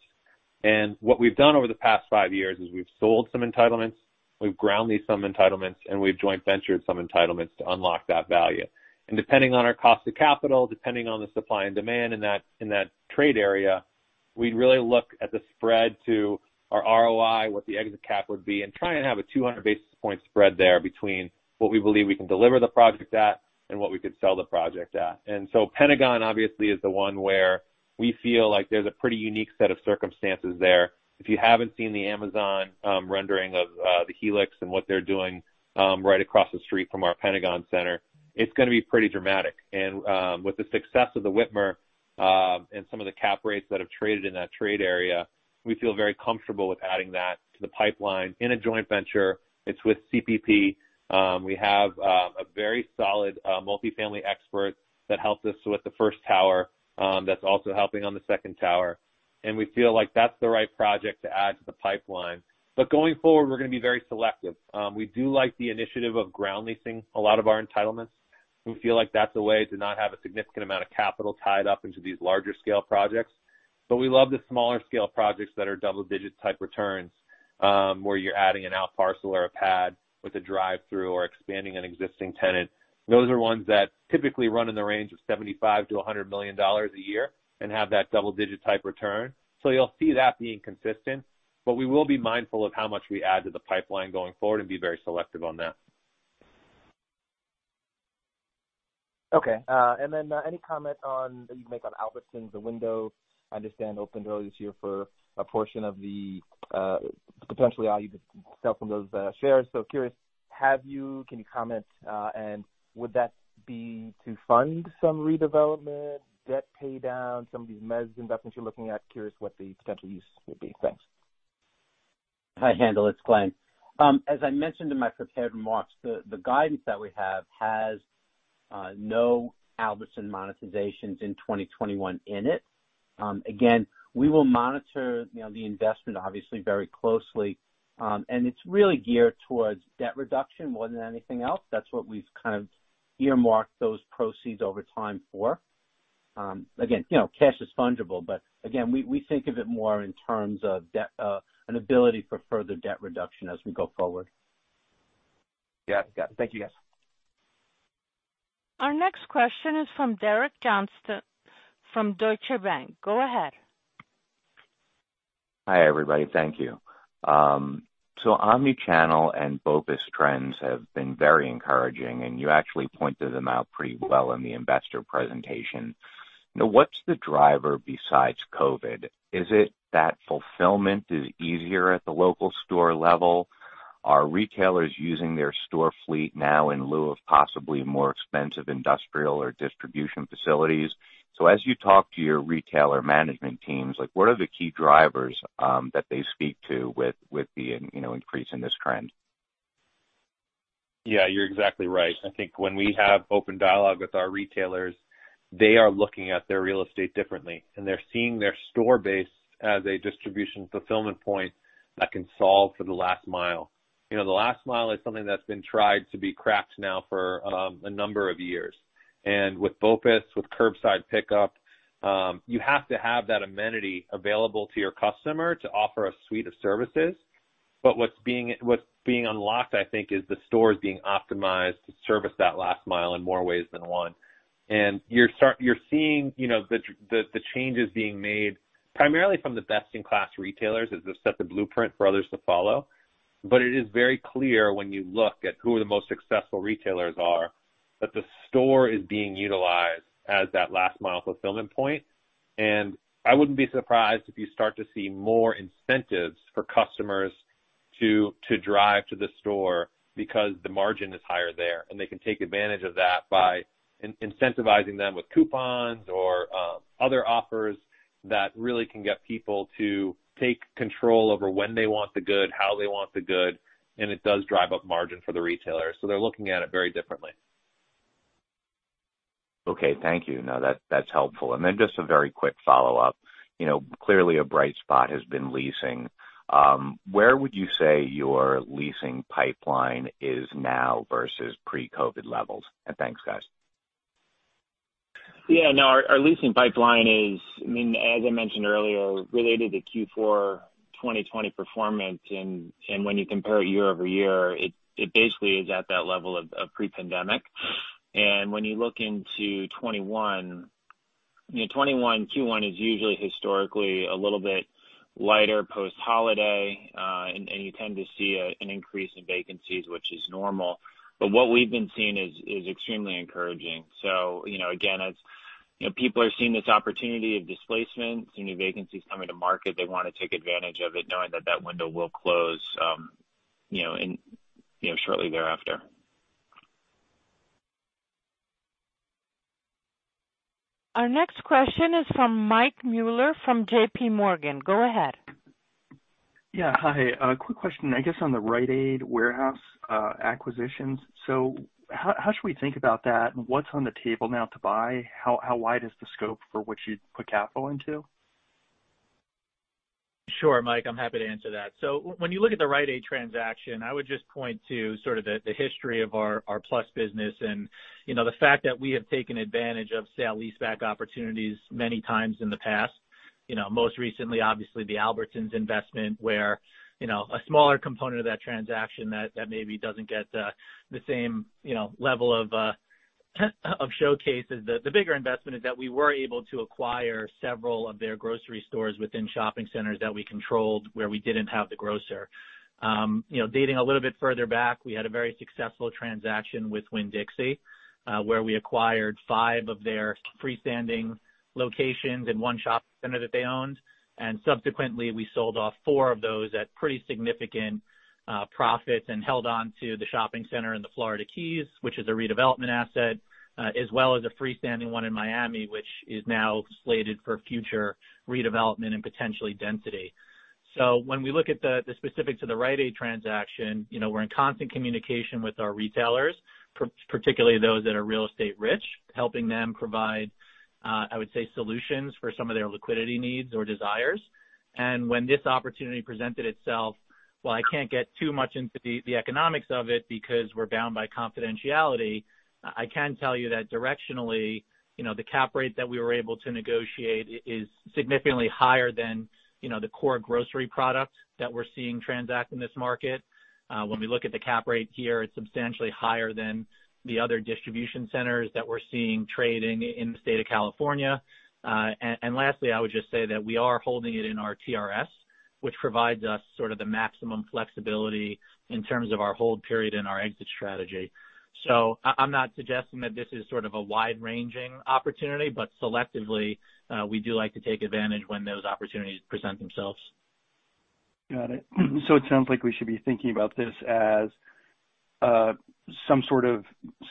What we've done over the past five years is we've sold some entitlements, we've ground leased some entitlements, and we've joint ventured some entitlements to unlock that value. Depending on our cost of capital, depending on the supply and demand in that trade area, we'd really look at the spread to our ROI, what the exit cap would be, and try and have a 200 basis point spread there between what we believe we can deliver the project at and what we could sell the project at. Pentagon obviously is the one where we feel like there's a pretty unique set of circumstances there. If you haven't seen the Amazon rendering of The Helix and what they're doing right across the street from our Pentagon Center, it's going to be pretty dramatic. With the success of The Witmer, and some of the cap rates that have traded in that trade area, we feel very comfortable with adding that to the pipeline in a joint venture. It's with CPP. We have a very solid multifamily expert that helped us with the first tower, that's also helping on the second tower. We feel like that's the right project to add to the pipeline. Going forward, we're going to be very selective. We do like the initiative of ground leasing a lot of our entitlements. We feel like that's a way to not have a significant amount of capital tied up into these larger scale projects. We love the smaller scale projects that are double-digit type returns, where you're adding an out parcel or a pad with a drive-through or expanding an existing tenant. Those are ones that typically run in the range of $75 million-$100 million a year and have that double-digit type return. You'll see that being consistent, but we will be mindful of how much we add to the pipeline going forward and be very selective on that. Okay. Any comment that you can make on Albertsons, the window I understand opened early this year for a portion of the potentially all you could sell from those shares. Curious, can you comment, and would that be to fund some redevelopment, debt pay down, some of these mezz investments you're looking at? Curious what the potential use would be. Thanks. Hi, Haendel. It's Glenn. As I mentioned in my prepared remarks, the guidance that we have has no Albertsons monetizations in 2021 in it. We will monitor the investment obviously very closely. It's really geared towards debt reduction more than anything else. That's what we've kind of earmarked those proceeds over time for. Cash is fungible, but again, we think of it more in terms of an ability for further debt reduction as we go forward. Got it. Thank you, guys. Our next question is from Derek Johnston from Deutsche Bank. Go ahead. Hi, everybody. Thank you. Omnichannel and BOPIS trends have been very encouraging, and you actually pointed them out pretty well in the investor presentation. What's the driver besides COVID? Is it that fulfillment is easier at the local store level? Are retailers using their store fleet now in lieu of possibly more expensive industrial or distribution facilities? As you talk to your retailer management teams, what are the key drivers that they speak to with the increase in this trend? Yeah, you're exactly right. I think when we have open dialogue with our retailers, they are looking at their real estate differently, and they're seeing their store base as a distribution fulfillment point that can solve for the last mile. The last mile is something that's been tried to be cracked now for a number of years. With BOPIS, with curbside pickup, you have to have that amenity available to your customer to offer a suite of services. What's being unlocked, I think, is the stores being optimized to service that last mile in more ways than one. You're seeing the changes being made primarily from the best in class retailers as they set the blueprint for others to follow. It is very clear when you look at who the most successful retailers are, that the store is being utilized as that last mile fulfillment point. I wouldn't be surprised if you start to see more incentives for customers to drive to the store because the margin is higher there, and they can take advantage of that by incentivizing them with coupons or other offers that really can get people to take control over when they want the good, how they want the good, and it does drive up margin for the retailer. They're looking at it very differently. Okay. Thank you. No, that's helpful. Then just a very quick follow-up. Clearly a bright spot has been leasing. Where would you say your leasing pipeline is now versus pre-COVID levels? Thanks, guys. Yeah, no, our leasing pipeline is, as I mentioned earlier, related to Q4 2020 performance, and when you compare it year-over-year, it basically is at that level of pre-pandemic. When you look into 2021, Q1 is usually historically a little bit lighter post-holiday, and you tend to see an increase in vacancies, which is normal. What we've been seeing is extremely encouraging. Again, as people are seeing this opportunity of displacement, seeing vacancies coming to market, they want to take advantage of it knowing that that window will close shortly thereafter. Our next question is from Michael Mueller from JPMorgan. Go ahead. Yeah. Hi. A quick question, I guess, on the Rite Aid warehouse acquisitions. How should we think about that, and what's on the table now to buy? How wide is the scope for what you'd put capital into? Sure, Mike, I'm happy to answer that. When you look at the Rite Aid transaction, I would just point to sort of the history of our plus business and the fact that we have taken advantage of sale leaseback opportunities many times in the past. Most recently, obviously the Albertsons investment, where a smaller component of that transaction that maybe doesn't get the same level of showcase. The bigger investment is that we were able to acquire several of their grocery stores within shopping centers that we controlled, where we didn't have the grocer. Dating a little bit further back, we had a very successful transaction with Winn-Dixie, where we acquired five of their freestanding locations and one shop center that they owned, and subsequently, we sold off four of those at pretty significant profits and held on to the shopping center in the Florida Keys, which is a redevelopment asset, as well as a freestanding one in Miami, which is now slated for future redevelopment and potentially density. When we look at the specifics of the Rite Aid transaction, we're in constant communication with our retailers, particularly those that are real estate rich, helping them provide, I would say, solutions for some of their liquidity needs or desires. When this opportunity presented itself, while I can't get too much into the economics of it because we're bound by confidentiality, I can tell you that directionally, the cap rate that we were able to negotiate is significantly higher than the core grocery product that we're seeing transact in this market. When we look at the cap rate here, it's substantially higher than the other distribution centers that we're seeing trading in the state of California. Lastly, I would just say that we are holding it in our TRS, which provides us sort of the maximum flexibility in terms of our hold period and our exit strategy. I'm not suggesting that this is sort of a wide-ranging opportunity, but selectively, we do like to take advantage when those opportunities present themselves. Got it. It sounds like we should be thinking about this as some sort of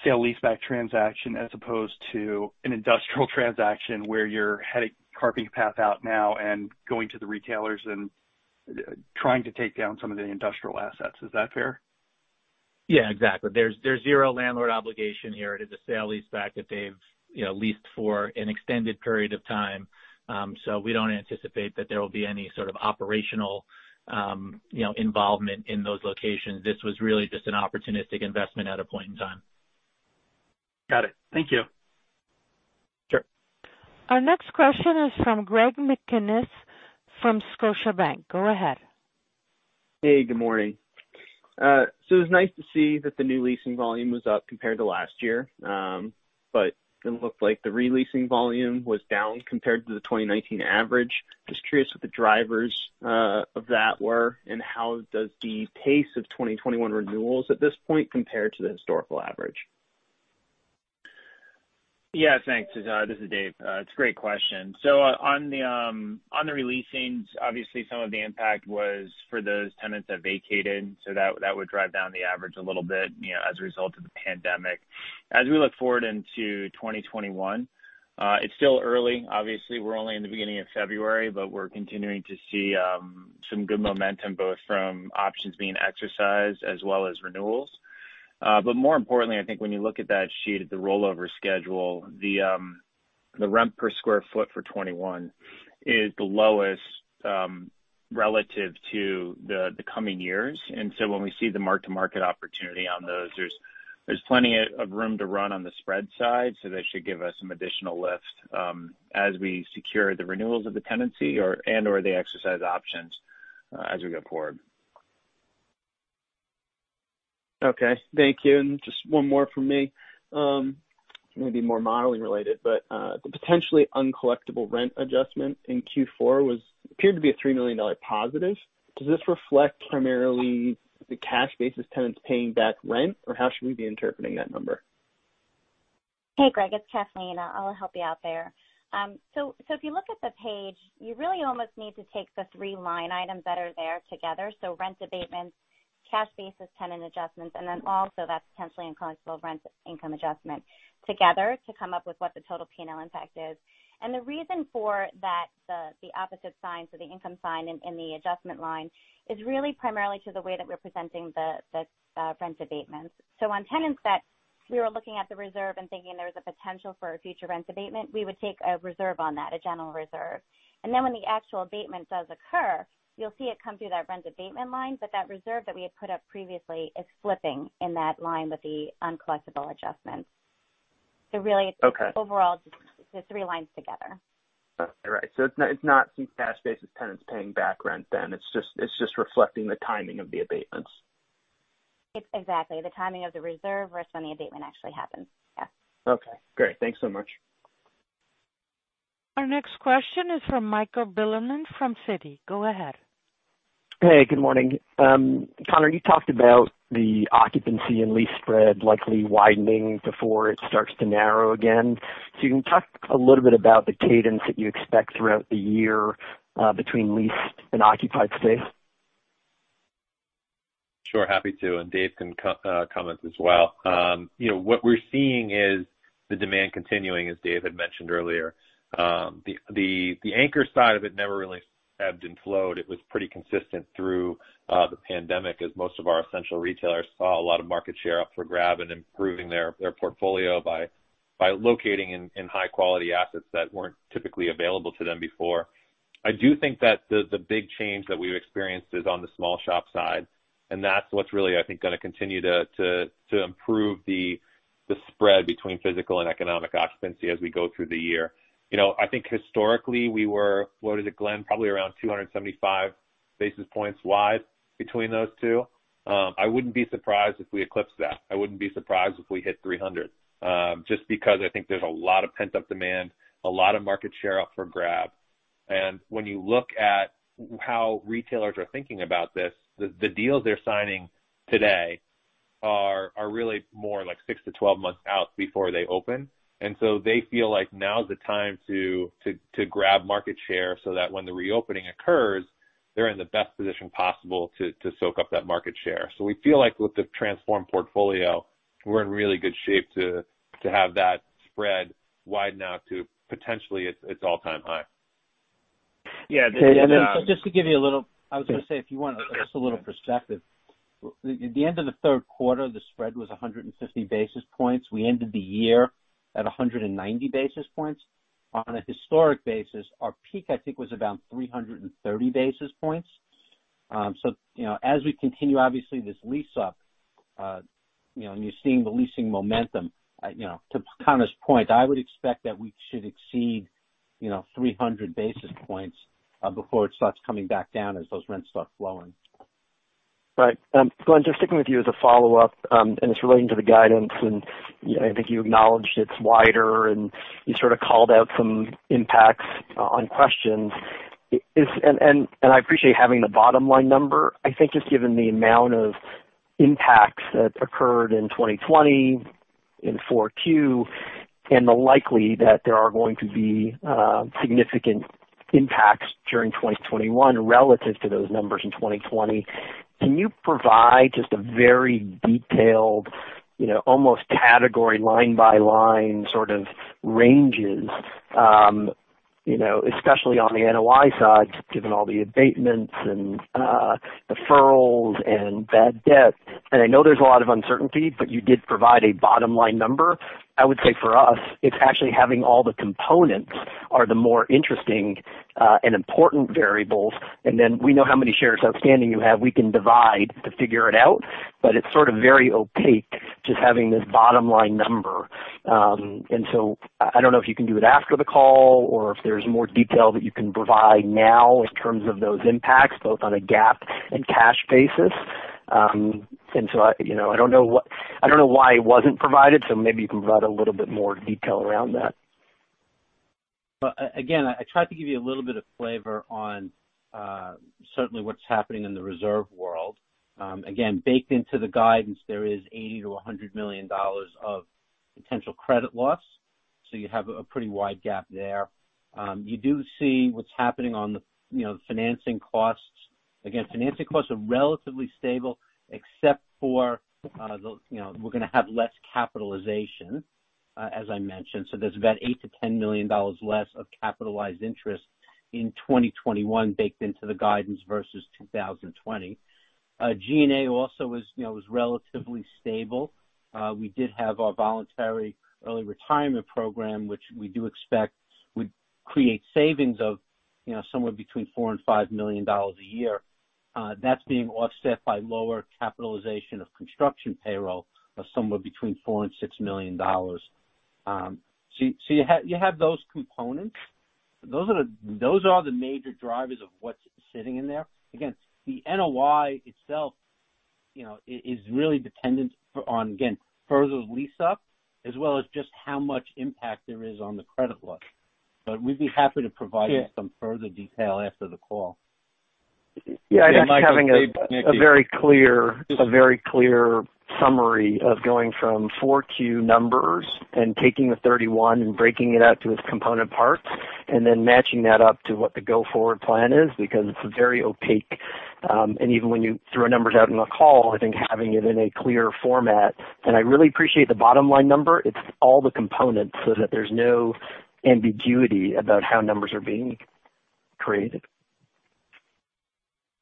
sale-leaseback transaction as opposed to an industrial transaction where you're heading, carving a path out now and going to the retailers and trying to take down some of the industrial assets. Is that fair? Yeah, exactly. There's zero landlord obligation here. It is a sale leaseback that they've leased for an extended period of time. We don't anticipate that there will be any sort of operational involvement in those locations. This was really just an opportunistic investment at a point in time. Got it. Thank you. Sure. Our next question is from Greg McGinniss from Scotiabank. Go ahead. Hey, good morning. It was nice to see that the new leasing volume was up compared to last year. It looked like the re-leasing volume was down compared to the 2019 average. Just curious what the drivers of that were and how does the pace of 2021 renewals at this point compare to the historical average? Yeah, thanks. This is Dave. On the re-leasings, obviously some of the impact was for those tenants that vacated, so that would drive down the average a little bit as a result of the pandemic. As we look forward into 2021, it's still early. Obviously, we're only in the beginning of February, but we're continuing to see some good momentum, both from options being exercised as well as renewals. More importantly, I think when you look at that sheet at the rollover schedule, the rent per square foot for 2021 is the lowest relative to the coming years. When we see the mark-to-market opportunity on those, there's plenty of room to run on the spread side. They should give us some additional lift as we secure the renewals of the tenancy and/or the exercise options as we go forward. Okay. Thank you. Just one more from me. Maybe more modeling related, but the potentially uncollectible rent adjustment in Q4 appeared to be a $3 million positive. Does this reflect primarily the cash basis tenants paying back rent or how should we be interpreting that number? Hey, Greg, it's Kathleen. I'll help you out there. If you look at the page, you really almost need to take the three line items that are there together. Rent abatements, cash basis tenant adjustments, and then also that potentially uncollectible rent income adjustment together to come up with what the total P&L impact is. The reason for that, the opposite sign, so the income sign in the adjustment line is really primarily to the way that we're presenting the rent abatements. On tenants that we were looking at the reserve and thinking there was a potential for a future rent abatement, we would take a reserve on that, a general reserve. When the actual abatement does occur, you'll see it come through that rent abatement line. That reserve that we had put up previously is flipping in that line with the uncollectible adjustments. Okay. Really overall, the three lines together. Right. It's not some cash basis tenants paying back rent then. It's just reflecting the timing of the abatements. Exactly. The timing of the reserve versus when the abatement actually happens. Yeah. Okay, great. Thanks so much. Our next question is from Michael Bilerman from Citi. Go ahead. Hey, good morning. Conor, you talked about the occupancy and lease spread likely widening before it starts to narrow again. You can talk a little bit about the cadence that you expect throughout the year between leased and occupied space. Sure, happy to, and Dave can comment as well. What we're seeing is the demand continuing, as Dave had mentioned earlier. The anchor side of it never really ebbed and flowed. It was pretty consistent through the pandemic as most of our essential retailers saw a lot of market share up for grabs and improving their portfolio by By locating in high quality assets that weren't typically available to them before. I do think that the big change that we've experienced is on the small shop side, and that's what's really, I think, going to continue to improve the spread between physical and economic occupancy as we go through the year. I think historically we were, what is it, Glenn? Probably around 275 basis points wide between those two. I wouldn't be surprised if we eclipsed that. I wouldn't be surprised if we hit 300, just because I think there's a lot of pent-up demand, a lot of market share up for grab. When you look at how retailers are thinking about this, the deals they're signing today are really more like 6-12 months out before they open. They feel like now is the time to grab market share so that when the reopening occurs, they're in the best position possible to soak up that market share. We feel like with the transformed portfolio, we're in really good shape to have that spread widen out to potentially its all-time high. Yeah. Just to give you a little perspective. At the end of the third quarter, the spread was 150 basis points. We ended the year at 190 basis points. On a historic basis, our peak, I think, was about 330 basis points. As we continue, obviously this lease up, and you're seeing the leasing momentum. To Conor's point, I would expect that we should exceed 300 basis points, before it starts coming back down as those rents start flowing. Right. Glenn, just sticking with you as a follow-up, it is relating to the guidance, I think you acknowledged it is wider, you sort of called out some impacts on questions. I appreciate having the bottom-line number. I think just given the amount of impacts that occurred in 2020, in Q4, the likely that there are going to be significant impacts during 2021 relative to those numbers in 2020. Can you provide just a very detailed, almost category line by line sort of ranges, especially on the NOI side, given all the abatements and deferrals and bad debt? I know there is a lot of uncertainty, you did provide a bottom-line number. I would say for us, it is actually having all the components are the more interesting, important variables, then we know how many shares outstanding you have. We can divide to figure it out, but it's sort of very opaque just having this bottom-line number. I don't know if you can do it after the call or if there's more detail that you can provide now in terms of those impacts, both on a GAAP and cash basis. I don't know why it wasn't provided. Maybe you can provide a little bit more detail around that. Again, I tried to give you a little bit of flavor on certainly what's happening in the reserve world. Again, baked into the guidance, there is $80 million-$100 million of potential credit loss, so you have a pretty wide gap there. You do see what's happening on the financing costs. Again, financing costs are relatively stable except for we're going to have less capitalization, as I mentioned. There's about $8 million-$10 million less of capitalized interest in 2021 baked into the guidance versus 2020. G&A also was relatively stable. We did have our voluntary early retirement program, which we do expect would create savings of somewhere between $4 million and $5 million a year. That's being offset by lower capitalization of construction payroll of somewhere between $4 million and $6 million. You have those components. Those are the major drivers of what's sitting in there. Again, the NOI itself is really dependent on, again, further lease up, as well as just how much impact there is on the credit loss. We'd be happy to provide you some further detail after the call. Yeah. I think having a very clear summary of going from 4Q numbers and taking the 31 and breaking it out to its component parts, and then matching that up to what the go-forward plan is, because it's very opaque. Even when you throw numbers out in the call, I think having it in a clear format. I really appreciate the bottom-line number. It's all the components so that there's no ambiguity about how numbers are being created.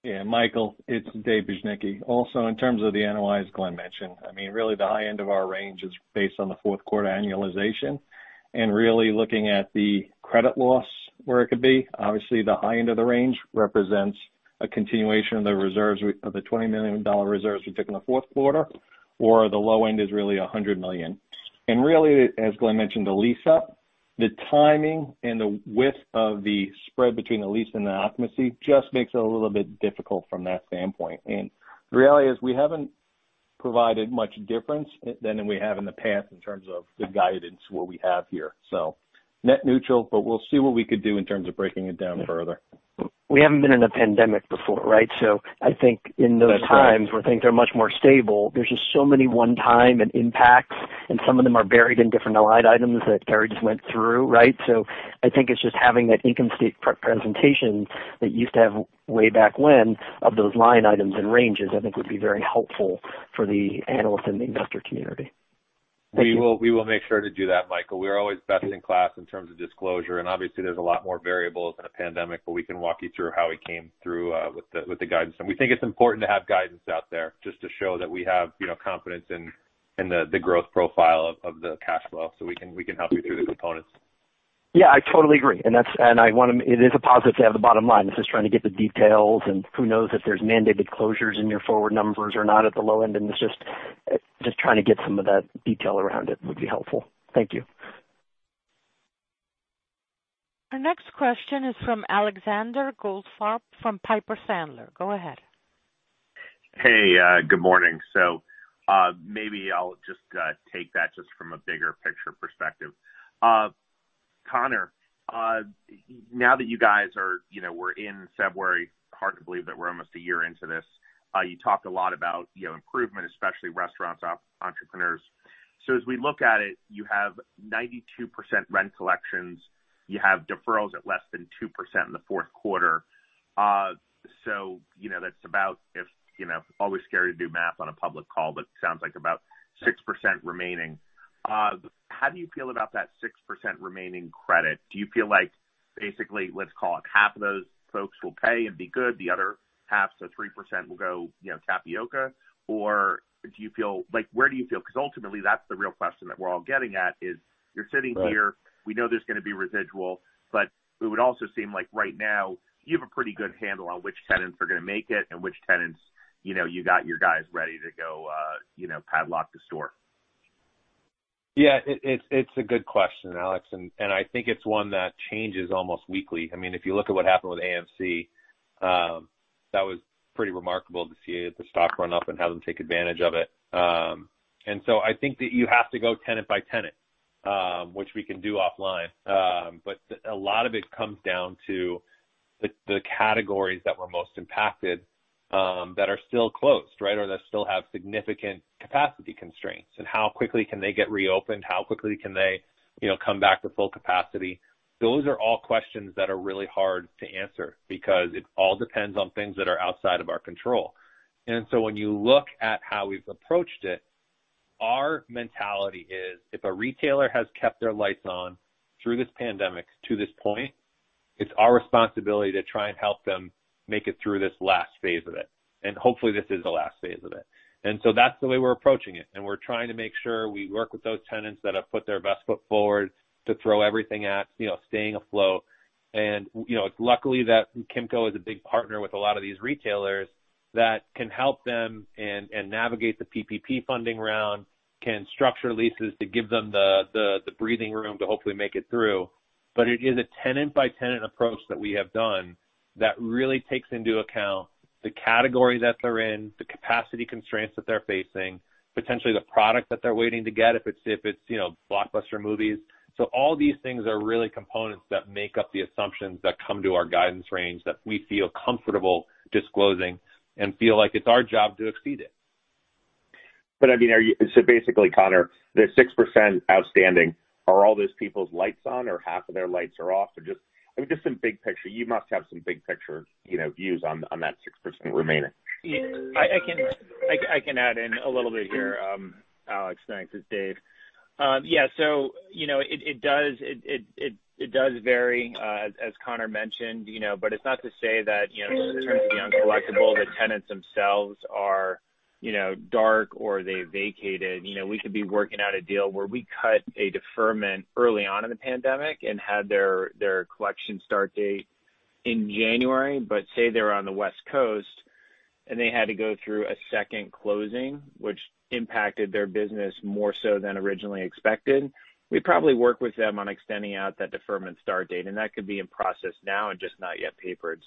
Yeah, Michael, it's Dave Bujnicki. In terms of the NOI, as Glenn mentioned, really the high end of our range is based on the fourth quarter annualization. Really looking at the credit loss where it could be. Obviously, the high end of the range represents a continuation of the reserves, of the $20 million reserves we took in the fourth quarter, or the low end is really $100 million. Really, as Glenn mentioned, the lease up, the timing and the width of the spread between the lease and the occupancy just makes it a little bit difficult from that standpoint. The reality is we haven't provided much difference than we have in the past in terms of the guidance, what we have here. Net neutral. We'll see what we could do in terms of breaking it down further. We haven't been in a pandemic before, right? I think in those times where things are much more stable, there's just so many one-time impacts, and some of them are buried in different line items that Thayer just went through, right? I think it's just having that income statement presentation that you used to have way back when of those line items and ranges, I think would be very helpful for the analyst and the investor community. Thank you. We will make sure to do that, Michael. We're always best in class in terms of disclosure, and obviously there's a lot more variables in a pandemic, but we can walk you through how we came through with the guidance. We think it's important to have guidance out there just to show that we have confidence in the growth profile of the cash flow. We can help you through the components. Yeah, I totally agree. It is a positive to have the bottom line. It's just trying to get the details, and who knows if there's mandated closures in your forward numbers or not at the low end, and it's just trying to get some of that detail around it would be helpful. Thank you. Our next question is from Alexander Goldfarb from Piper Sandler. Go ahead. Hey, good morning. Maybe I'll just take that just from a bigger picture perspective. Conor, now that you guys, we're in February. Hard to believe that we're almost a year into this. You talked a lot about improvement, especially restaurants, entrepreneurs. As we look at it, you have 92% rent collections. You have deferrals at less than 2% in the fourth quarter. That's about, always scary to do math on a public call, but it sounds like about 6% remaining. How do you feel about that 6% remaining credit? Do you feel like, basically, let's call it half of those folks will pay and be good, the other half, so 3% will go taxable? Where do you feel? Ultimately, that's the real question that we're all getting at is you're sitting here, we know there's going to be residual, but it would also seem like right now, you have a pretty good handle on which tenants are going to make it and which tenants you got your guys ready to go padlock the store. Yeah. It's a good question, Alex. I think it's one that changes almost weekly. If you look at what happened with AMC, that was pretty remarkable to see the stock run up and have them take advantage of it. I think that you have to go tenant by tenant, which we can do offline. A lot of it comes down to the categories that were most impacted, that are still closed, or that still have significant capacity constraints. How quickly can they get reopened? How quickly can they come back to full capacity? Those are all questions that are really hard to answer because it all depends on things that are outside of our control. When you look at how we've approached it, our mentality is if a retailer has kept their lights on through this pandemic to this point, it's our responsibility to try and help them make it through this last phase of it. Hopefully this is the last phase of it. That's the way we're approaching it, and we're trying to make sure we work with those tenants that have put their best foot forward to throw everything at staying afloat. Luckily that Kimco is a big partner with a lot of these retailers that can help them and navigate the PPP funding round, can structure leases to give them the breathing room to hopefully make it through. It is a tenant-by-tenant approach that we have done that really takes into account the category that they're in, the capacity constraints that they're facing, potentially the product that they're waiting to get, if it's blockbuster movies. All these things are really components that make up the assumptions that come to our guidance range that we feel comfortable disclosing and feel like it's our job to exceed it. Basically, Conor, the 6% outstanding, are all those people's lights on or half of their lights are off? Just some big picture. You must have some big picture views on that 6% remaining. I can add in a little bit here, Alex. Thanks. It's Dave. Yeah, it does vary, as Conor mentioned. It's not to say that in terms of the uncollectible, the tenants themselves are dark or they vacated. We could be working out a deal where we cut a deferment early on in the pandemic and had their collection start date in January, but say they were on the West Coast, and they had to go through a second closing, which impacted their business more so than originally expected. We probably work with them on extending out that deferment start date, and that could be in process now and just not yet papered.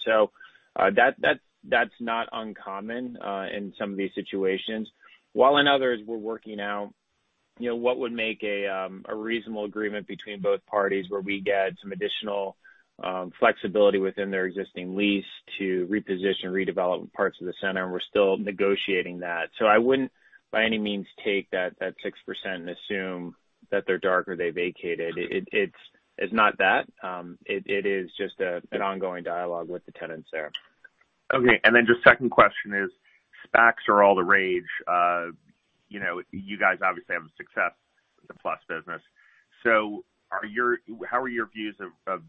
That's not uncommon in some of these situations. While in others, we're working out what would make a reasonable agreement between both parties where we get some additional flexibility within their existing lease to reposition, redevelop parts of the center, and we're still negotiating that. I wouldn't by any means take that 6% and assume that they're dark or they vacated. It's not that. It is just an ongoing dialogue with the tenants there. Okay. Just second question is, SPACs are all the rage. You guys obviously have a success with the Plus business. How are your views of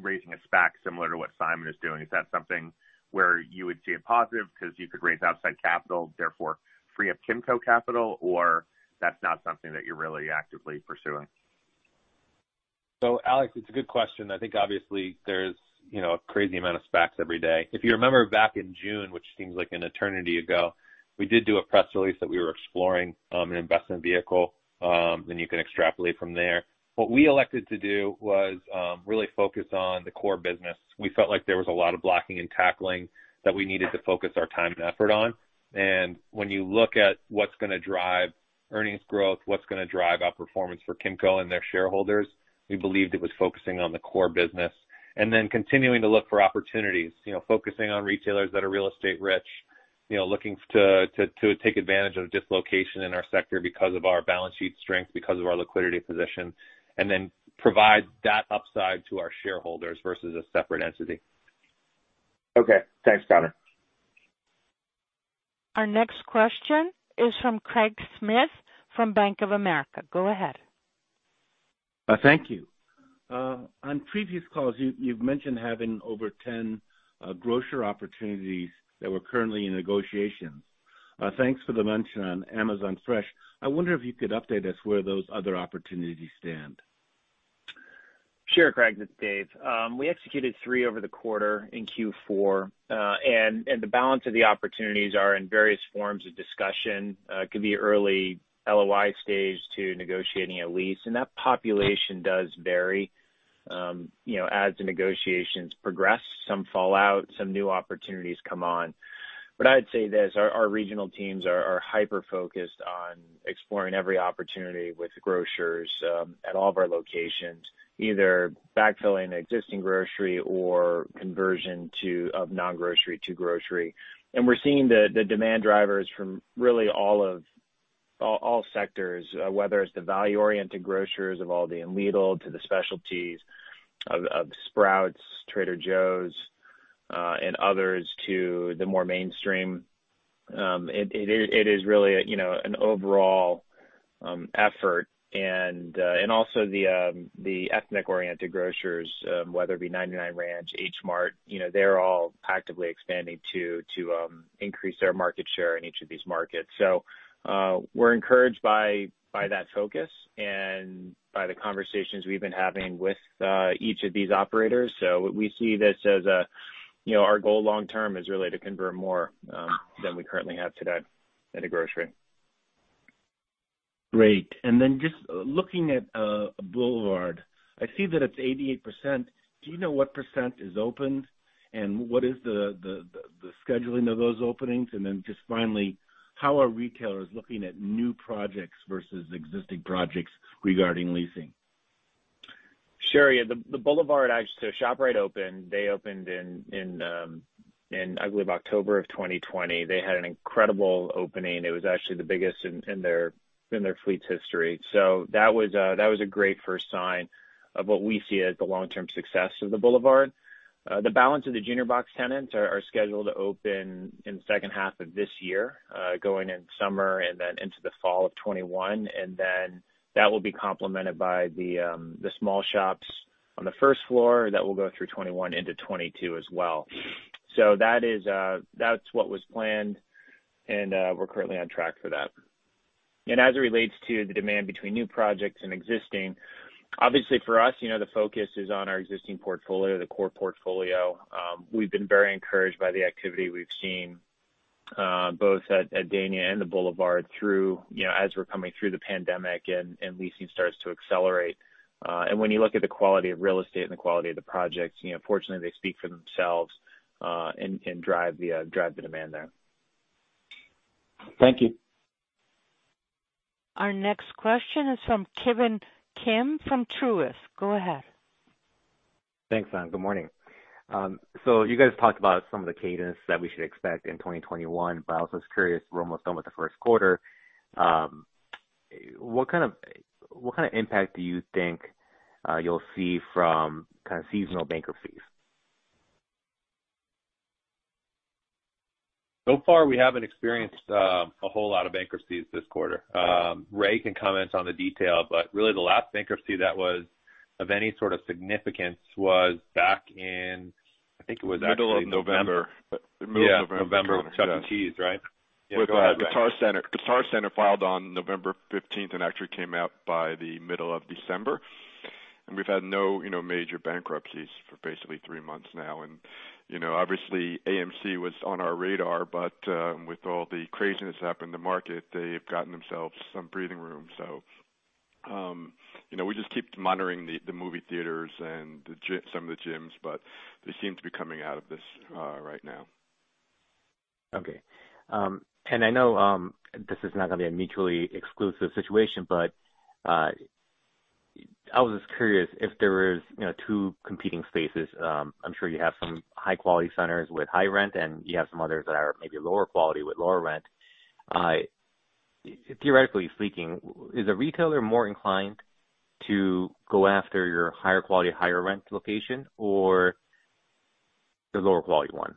raising a SPAC similar to what Simon is doing? Is that something where you would see a positive because you could raise outside capital, therefore free up Kimco capital, or that's not something that you're really actively pursuing? Alex, it's a good question. I think obviously there's a crazy amount of SPACs every day. If you remember back in June, which seems like an eternity ago, we did do a press release that we were exploring an investment vehicle, you can extrapolate from there. What we elected to do was really focus on the core business. We felt like there was a lot of blocking and tackling that we needed to focus our time and effort on. When you look at what's going to drive earnings growth, what's going to drive outperformance for Kimco and their shareholders, we believed it was focusing on the core business and then continuing to look for opportunities. Focusing on retailers that are real estate rich, looking to take advantage of dislocation in our sector because of our balance sheet strength, because of our liquidity position, and then provide that upside to our shareholders versus a separate entity. Okay. Thanks, Conor. Our next question is from Craig Schmidt from Bank of America. Go ahead. Thank you. On previous calls, you've mentioned having over 10 grocer opportunities that were currently in negotiation. Thanks for the mention on Amazon Fresh. I wonder if you could update us where those other opportunities stand. Sure, Craig, it's Dave. We executed three over the quarter in Q4, and the balance of the opportunities are in various forms of discussion. It could be early LOI stage to negotiating a lease, and that population does vary. As the negotiations progress, some fall out, some new opportunities come on. I'd say this, our regional teams are hyper-focused on exploring every opportunity with grocers at all of our locations, either backfilling existing grocery or conversion of non-grocery to grocery. We're seeing the demand drivers from really all sectors, whether it's the value-oriented grocers of Aldi and Lidl, to the specialties of Sprouts, Trader Joe's, and others, to the more mainstream. It is really an overall effort. Also the ethnic-oriented grocers, whether it be 99 Ranch, H Mart, they're all actively expanding to increase their market share in each of these markets. We're encouraged by that focus and by the conversations we've been having with each of these operators. We see this as our goal long term is really to convert more than we currently have today into grocery. Great. Just looking at Boulevard, I see that it's 88%. Do you know what % is opened and what is the scheduling of those openings? Just finally, how are retailers looking at new projects versus existing projects regarding leasing? Sure. The Boulevard, actually, ShopRite opened. They opened in, I believe, October of 2020. They had an incredible opening. It was actually the biggest in their fleet's history. That was a great first sign of what we see as the long-term success of the Boulevard. The balance of the junior box tenants are scheduled to open in the second half of this year, going into summer and then into the fall of 2021, and then that will be complemented by the small shops on the first floor. That will go through 2021 into 2022 as well. That's what was planned, and we're currently on track for that. As it relates to the demand between new projects and existing, obviously for us, the focus is on our existing portfolio, the core portfolio. We've been very encouraged by the activity we've seen, both at Dania and the Boulevard as we're coming through the pandemic and leasing starts to accelerate. When you look at the quality of real estate and the quality of the projects, fortunately, they speak for themselves and drive the demand there. Thank you. Our next question is from Ki Bin Kim from Truist. Go ahead. Thanks. Good morning. You guys talked about some of the cadence that we should expect in 2021, but I also was curious, we're almost done with the first quarter. What kind of impact do you think you'll see from kind of seasonal bankruptcies? So far, we haven't experienced a whole lot of bankruptcies this quarter. Ray can comment on the detail, but really the last bankruptcy that was of any sort of significance was back in, I think it was actually. Middle of November. Yeah. November. Middle of November. Chuck E. Cheese, right? Yeah, go ahead, Ray. Guitar Center filed on November 15th and actually came out by the middle of December. We've had no major bankruptcies for basically three months now. Obviously AMC was on our radar, but with all the craziness that happened in the market, they've gotten themselves some breathing room. We just keep monitoring the movie theaters and some of the gyms, but they seem to be coming out of this right now. Okay. I know this is not going to be a mutually exclusive situation, but I was just curious if there was two competing spaces. I'm sure you have some high-quality centers with high rent, and you have some others that are maybe lower quality with lower rent. Theoretically speaking, is a retailer more inclined to go after your higher quality, higher rent location or the lower quality one?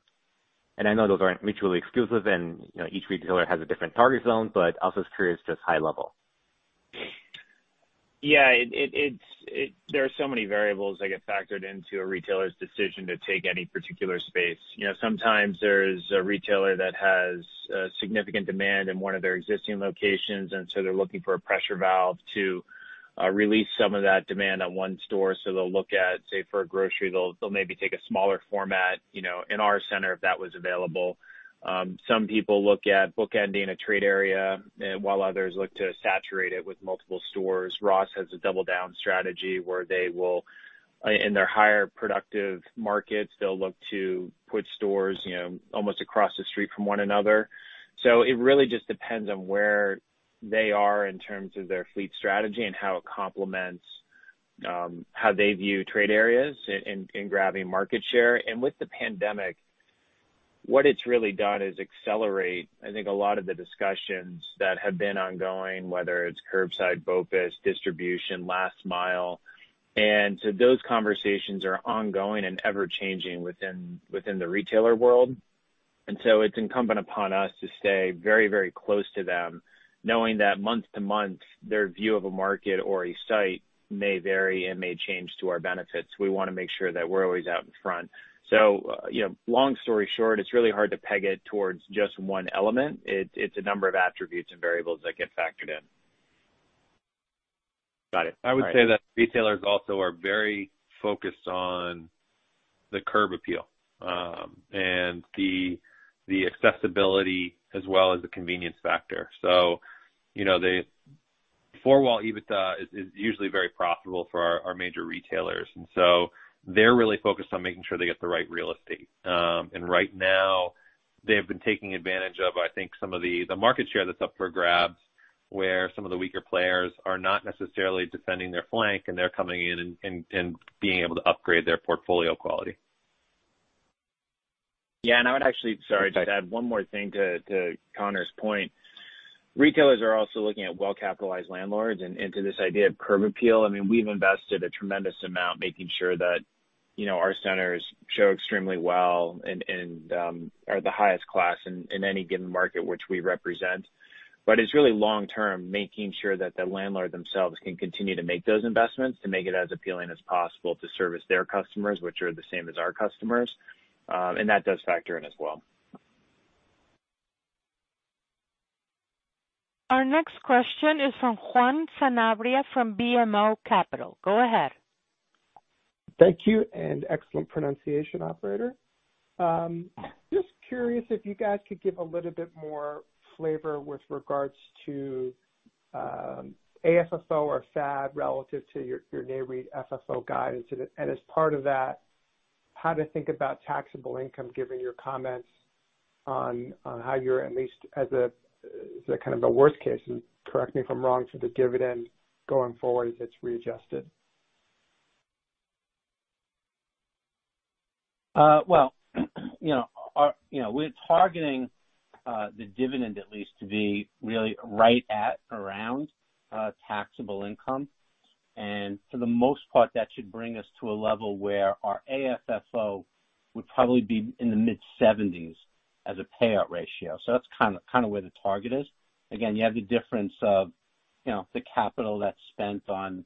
I know those aren't mutually exclusive, and each retailer has a different target zone, but also just curious just high level. Yeah. There are so many variables that get factored into a retailer's decision to take any particular space. Sometimes there's a retailer that has significant demand in one of their existing locations, and so they're looking for a pressure valve to release some of that demand on one store. They'll look at, say, for a grocery, they'll maybe take a smaller format in our center, if that was available. Some people look at bookending a trade area, while others look to saturate it with multiple stores. Ross has a double down strategy where they will, in their higher productive markets, they'll look to put stores almost across the street from one another. It really just depends on where they are in terms of their fleet strategy and how it complements how they view trade areas in grabbing market share. With the pandemic, what it's really done is accelerate, I think, a lot of the discussions that have been ongoing, whether it's curbside, BOPIS, distribution, last mile. Those conversations are ongoing and ever-changing within the retailer world. It's incumbent upon us to stay very close to them, knowing that month to month, their view of a market or a site may vary and may change to our benefit, so we want to make sure that we're always out in front. Long story short, it's really hard to peg it towards just one element. It's a number of attributes and variables that get factored in. Got it. I would say that retailers also are very focused on the curb appeal, and the accessibility as well as the convenience factor. The four-wall EBITDA is usually very profitable for our major retailers. They're really focused on making sure they get the right real estate. Right now they've been taking advantage of, I think, some of the market share that's up for grabs, where some of the weaker players are not necessarily defending their flank and they're coming in and being able to upgrade their portfolio quality. Yeah. I would actually Sorry, to add one more thing to Conor's point. Retailers are also looking at well-capitalized landlords and to this idea of curb appeal. I mean, we've invested a tremendous amount making sure that our centers show extremely well and are the highest class in any given market which we represent. It's really long-term, making sure that the landlord themselves can continue to make those investments to make it as appealing as possible to service their customers, which are the same as our customers. That does factor in as well. Our next question is from Juan Sanabria from BMO Capital. Go ahead. Thank you, excellent pronunciation operator. Just curious if you guys could give a little bit more flavor with regards to AFFO or FAD relative to your Nareit FFO guidance. As part of that, how to think about taxable income given your comments on how you're at least as a kind of a worst case, and correct me if I'm wrong, the dividend going forward gets readjusted. Well, we're targeting the dividend at least to be really right at around taxable income. For the most part, that should bring us to a level where our AFFO would probably be in the mid-70s as a payout ratio. That's kind of where the target is. Again, you have the difference of the capital that's spent on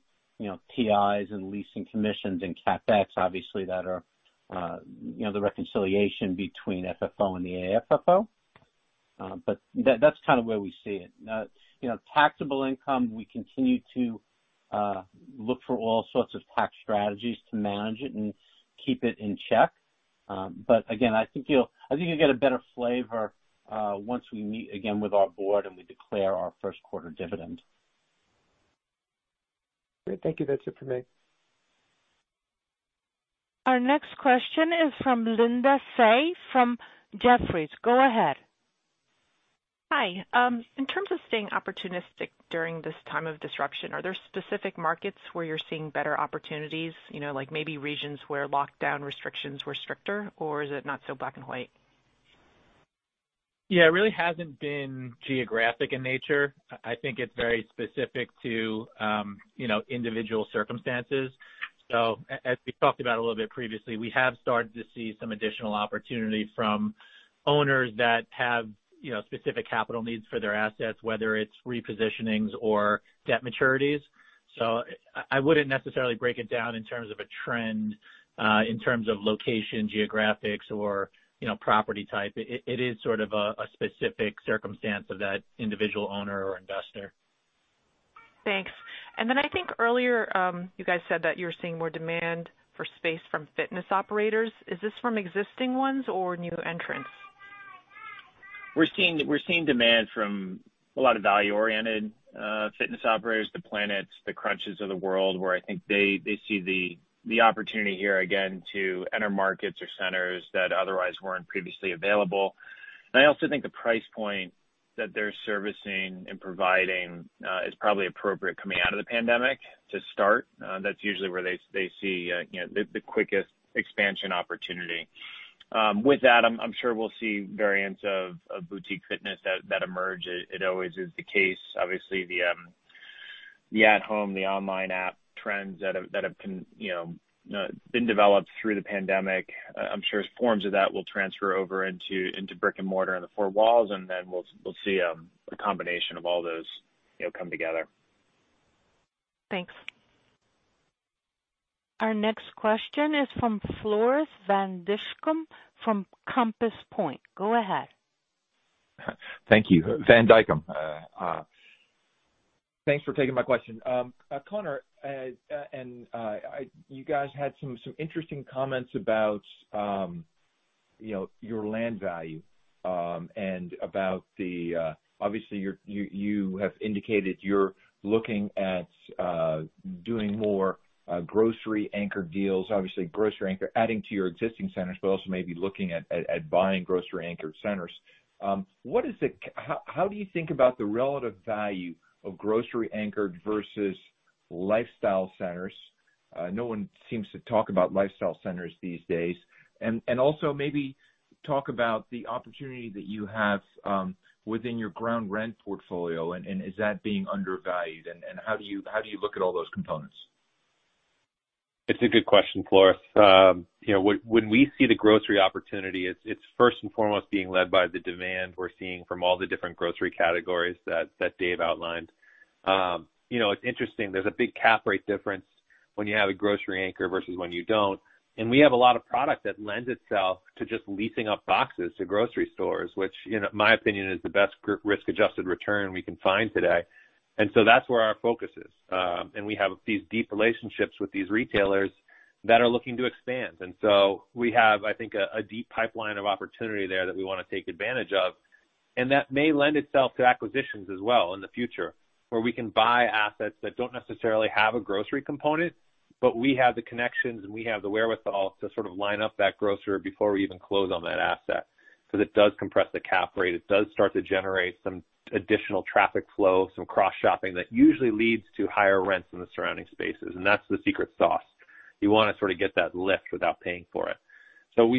TIs and leasing commissions and CapEx obviously that are the reconciliation between FFO and the AFFO. That's kind of where we see it. Taxable income, we continue to look for all sorts of tax strategies to manage it and keep it in check. Again, I think you'll get a better flavor once we meet again with our board and we declare our first quarter dividend. Great. Thank you. That's it for me. Our next question is from Linda Tsai from Jefferies. Go ahead. Hi. In terms of staying opportunistic during this time of disruption, are there specific markets where you're seeing better opportunities, like maybe regions where lockdown restrictions were stricter, or is it not so black and white? Yeah, it really hasn't been geographic in nature. I think it's very specific to individual circumstances. As we talked about a little bit previously, we have started to see some additional opportunity from owners that have specific capital needs for their assets, whether it's repositioning or debt maturities. I wouldn't necessarily break it down in terms of a trend, in terms of location, geographic, or property type. It is sort of a specific circumstance of that individual owner or investor. Thanks. I think earlier, you guys said that you were seeing more demand for space from fitness operators. Is this from existing ones or new entrants? We're seeing demand from a lot of value-oriented fitness operators, the Planet Fitness, the Crunch Fitness of the world, where I think they see the opportunity here again to enter markets or centers that otherwise weren't previously available. I also think the price point that they're servicing and providing is probably appropriate coming out of the pandemic to start. That's usually where they see the quickest expansion opportunity. With that, I'm sure we'll see variants of boutique fitness that emerge. It always is the case. Obviously, the at-home, the online app trends that have been developed through the pandemic. I'm sure forms of that will transfer over into brick and mortar and the four walls, and then we'll see a combination of all those come together. Thanks. Our next question is from Floris van Dijkum from Compass Point. Go ahead. Thank you. van Dijkum. Thanks for taking my question. Conor, you guys had some interesting comments about your land value. Obviously you have indicated you're looking at doing more grocery anchor deals. Obviously grocery anchor adding to your existing centers, but also maybe looking at buying grocery anchor centers. How do you think about the relative value of grocery anchored versus lifestyle centers? No one seems to talk about lifestyle centers these days. Also maybe talk about the opportunity that you have within your ground rent portfolio, and is that being undervalued and how do you look at all those components? It's a good question, Floris. When we see the grocery opportunity, it's first and foremost being led by the demand we're seeing from all the different grocery categories that Dave outlined. It's interesting. There's a big cap rate difference. When you have a grocery anchor versus when you don't. We have a lot of product that lends itself to just leasing up boxes to grocery stores, which in my opinion, is the best risk-adjusted return we can find today. That's where our focus is. We have these deep relationships with these retailers that are looking to expand. We have, I think, a deep pipeline of opportunity there that we want to take advantage of. That may lend itself to acquisitions as well in the future, where we can buy assets that don't necessarily have a grocery component, but we have the connections and we have the wherewithal to sort of line up that grocer before we even close on that asset. Because it does compress the cap rate. It does start to generate some additional traffic flow, some cross-shopping that usually leads to higher rents in the surrounding spaces. That's the secret sauce. You want to sort of get that lift without paying for it.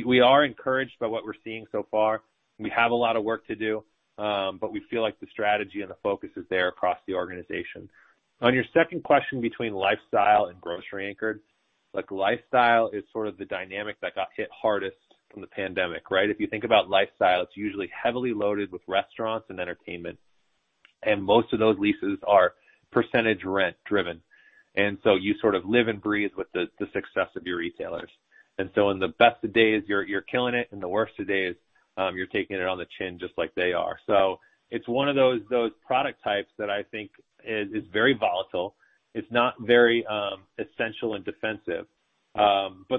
We are encouraged by what we're seeing so far. We have a lot of work to do, but we feel like the strategy and the focus is there across the organization. On your second question between lifestyle and grocery anchored, lifestyle is sort of the dynamic that got hit hardest from the pandemic, right? If you think about lifestyle, it's usually heavily loaded with restaurants and entertainment. Most of those leases are percentage rent driven. You sort of live and breathe with the success of your retailers. In the best of days, you're killing it, and the worst of days, you're taking it on the chin just like they are. It's one of those product types that I think is very volatile. It's not very essential and defensive.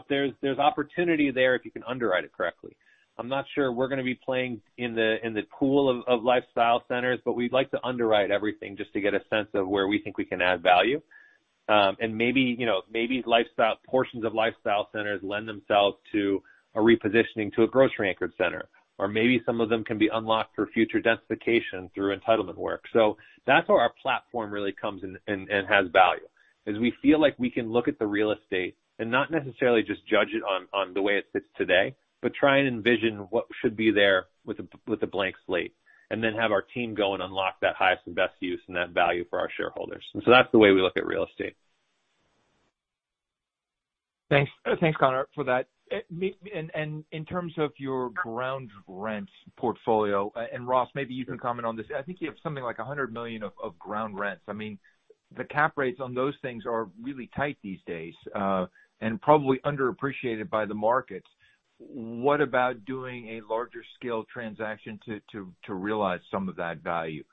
There's opportunity there if you can underwrite it correctly. I'm not sure we're going to be playing in the pool of lifestyle centers, but we'd like to underwrite everything just to get a sense of where we think we can add value. Maybe portions of lifestyle centers lend themselves to a repositioning to a grocery anchored center. Maybe some of them can be unlocked for future densification through entitlement work. That's where our platform really comes in and has value, is we feel like we can look at the real estate and not necessarily just judge it on the way it sits today, but try and envision what should be there with a blank slate, and then have our team go and unlock that highest and best use and net value for our shareholders. That's the way we look at real estate. Thanks, Conor, for that. In terms of your ground rents portfolio, Ross, maybe you can comment on this. I think you have something like $100 million of ground rents. I mean, the cap rates on those things are really tight these days, and probably underappreciated by the markets. What about doing a larger scale transaction to realize some of that value?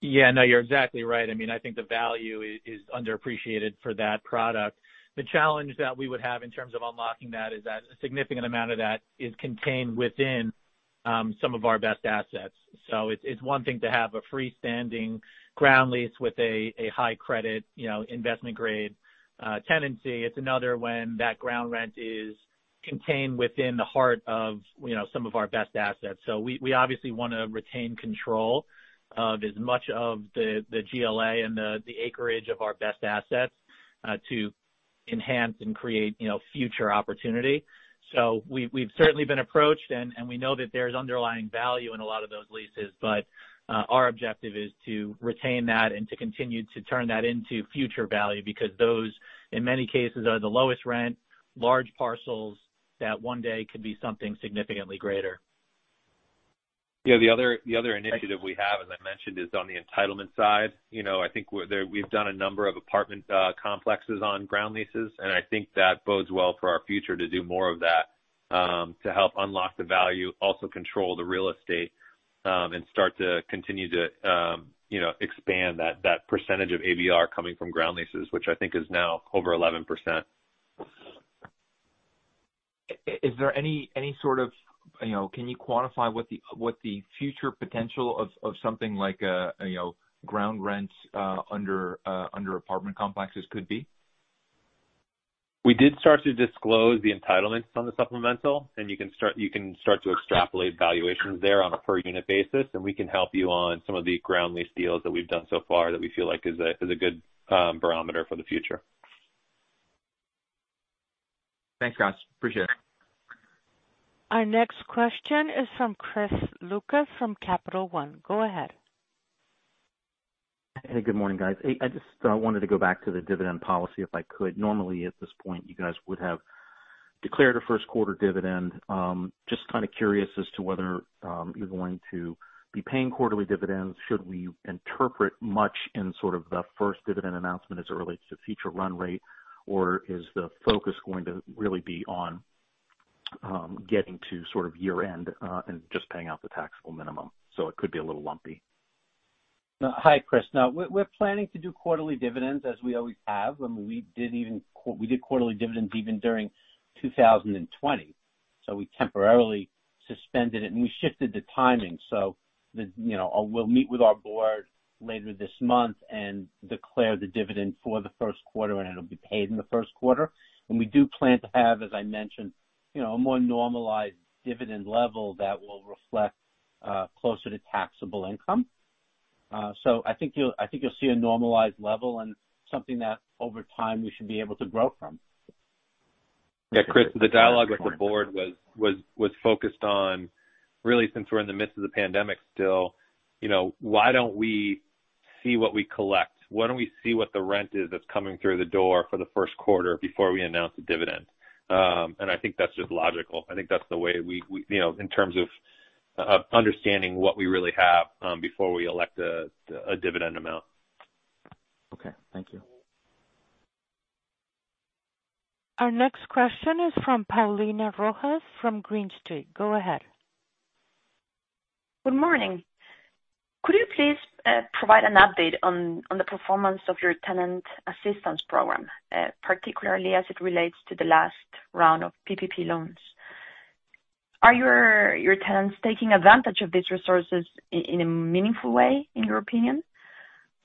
Yeah, no, you're exactly right. I think the value is underappreciated for that product. The challenge that we would have in terms of unlocking that is that a significant amount of that is contained within some of our best assets. It's one thing to have a freestanding ground lease with a high credit investment grade tenancy. It's another when that ground rent is contained within the heart of some of our best assets. We obviously want to retain control of as much of the GLA and the acreage of our best assets to enhance and create future opportunity. We've certainly been approached, and we know that there's underlying value in a lot of those leases, but our objective is to retain that and to continue to turn that into future value, because those, in many cases, are the lowest rent, large parcels that one day could be something significantly greater. Yeah. The other initiative we have, as I mentioned, is on the entitlement side. I think we've done a number of apartment complexes on ground leases, and I think that bodes well for our future to do more of that, to help unlock the value, also control the real estate, and start to continue to expand that percentage of ABR coming from ground leases, which I think is now over 11%. Can you quantify what the future potential of something like ground rents under apartment complexes could be? We did start to disclose the entitlements on the supplemental. You can start to extrapolate valuations there on a per unit basis. We can help you on some of the ground lease deals that we've done so far that we feel like is a good barometer for the future. Thanks, Ross. Appreciate it. Our next question is from Chris Lucas from Capital One. Go ahead. Hey, good morning, guys. I just wanted to go back to the dividend policy, if I could. Normally, at this point, you guys would have declared a first quarter dividend. Just kind of curious as to whether you're going to be paying quarterly dividends. Should we interpret much in sort of the first dividend announcement as it relates to future run rate? Is the focus going to really be on getting to sort of year-end and just paying out the taxable minimum, so it could be a little lumpy? Hi, Chris. We're planning to do quarterly dividends as we always have. We did quarterly dividends even during 2020. We temporarily suspended it, and we shifted the timing. We'll meet with our board later this month and declare the dividend for the first quarter, and it'll be paid in the first quarter. We do plan to have, as I mentioned, a more normalized dividend level that will reflect closer to taxable income. I think you'll see a normalized level and something that over time we should be able to grow from. Yeah, Chris, the dialogue with the board was focused on really since we're in the midst of the pandemic still, why don't we see what we collect? Why don't we see what the rent is that's coming through the door for the first quarter before we announce the dividend? I think that's just logical. I think that's the way in terms of understanding what we really have before we elect a dividend amount. Okay, thank you. Our next question is from Paulina Rojas from Green Street. Go ahead. Good morning. Could you please provide an update on the performance of your tenant assistance program, particularly as it relates to the last round of PPP loans. Are your tenants taking advantage of these resources in a meaningful way, in your opinion?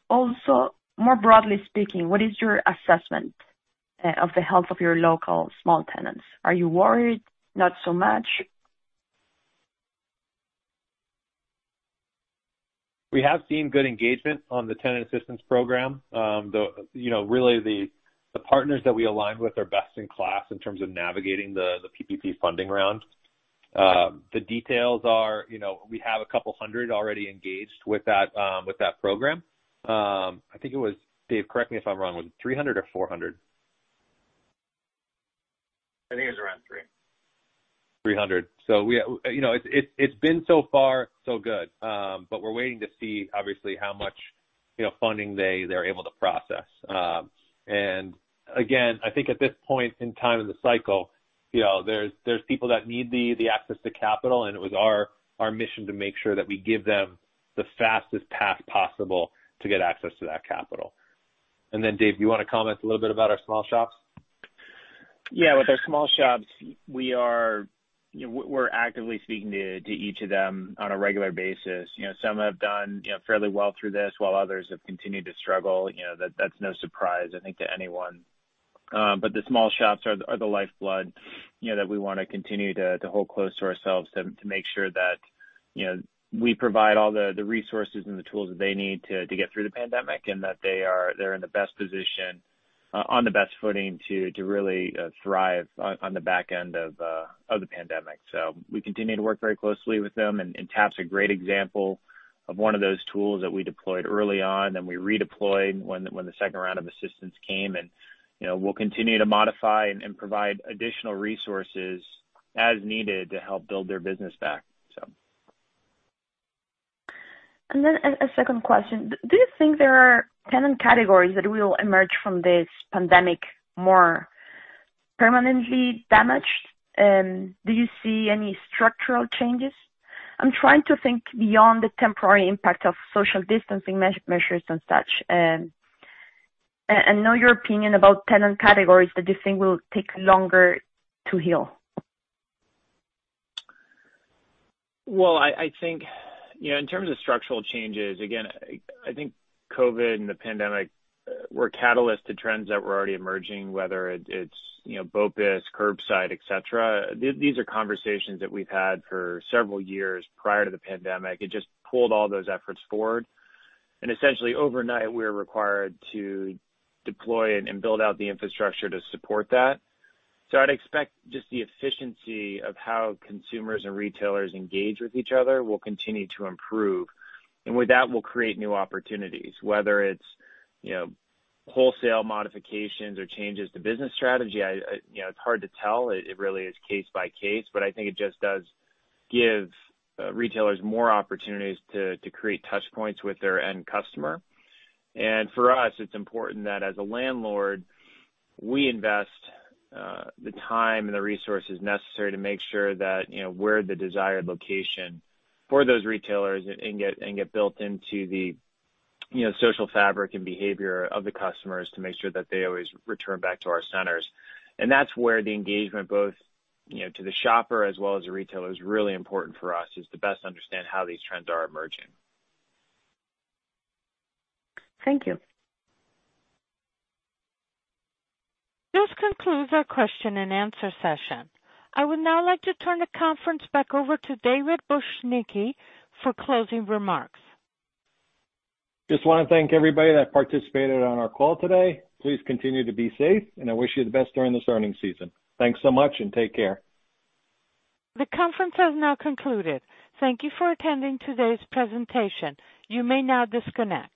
More broadly speaking, what is your assessment of the health of your local small tenants? Are you worried? Not so much? We have seen good engagement on the Tenant Assistance Program. The partners that we align with are best in class in terms of navigating the PPP funding round. The details are, we have a couple hundred already engaged with that program. I think it was, Dave, correct me if I'm wrong, was it 300 or 400? I think it was around 300. 300. It's been so far so good. We're waiting to see, obviously, how much funding they're able to process. Again, I think at this point in time in the cycle, there's people that need the access to capital, and it was our mission to make sure that we give them the fastest path possible to get access to that capital. Then Dave, you want to comment a little bit about our small shops? Yeah. With our small shops, we're actively speaking to each of them on a regular basis. Some have done fairly well through this, while others have continued to struggle. That's no surprise, I think, to anyone. The small shops are the lifeblood that we want to continue to hold close to ourselves to make sure that we provide all the resources and the tools that they need to get through the pandemic, and that they're in the best position, on the best footing to really thrive on the back end of the pandemic. We continue to work very closely with them, and TAP's a great example of one of those tools that we deployed early on, then we redeployed when the second round of assistance came, and we'll continue to modify and provide additional resources as needed to help build their business back. A second question. Do you think there are tenant categories that will emerge from this pandemic more permanently damaged? Do you see any structural changes? I'm trying to think beyond the temporary impact of social distancing measures and such. Know your opinion about tenant categories that you think will take longer to heal. Well, I think in terms of structural changes, again, I think COVID and the pandemic were a catalyst to trends that were already emerging, whether it's BOPIS, curbside, et cetera. These are conversations that we've had for several years prior to the pandemic. It just pulled all those efforts forward. Essentially overnight, we were required to deploy and build out the infrastructure to support that. I'd expect just the efficiency of how consumers and retailers engage with each other will continue to improve. With that, we'll create new opportunities, whether it's wholesale modifications or changes to business strategy. It's hard to tell. It really is case by case, but I think it just does give retailers more opportunities to create touch points with their end customer. For us, it's important that as a landlord, we invest the time and the resources necessary to make sure that we're the desired location for those retailers and get built into the social fabric and behavior of the customers to make sure that they always return back to our centers. That's where the engagement, both to the shopper as well as the retailer, is really important for us, is to best understand how these trends are emerging. Thank you. This concludes our question and answer session. I would now like to turn the conference back over to David Bujnicki for closing remarks. Just want to thank everybody that participated on our call today. Please continue to be safe, and I wish you the best during this earning season. Thanks so much and take care. The conference has now concluded. Thank you for attending today's presentation. You may now disconnect.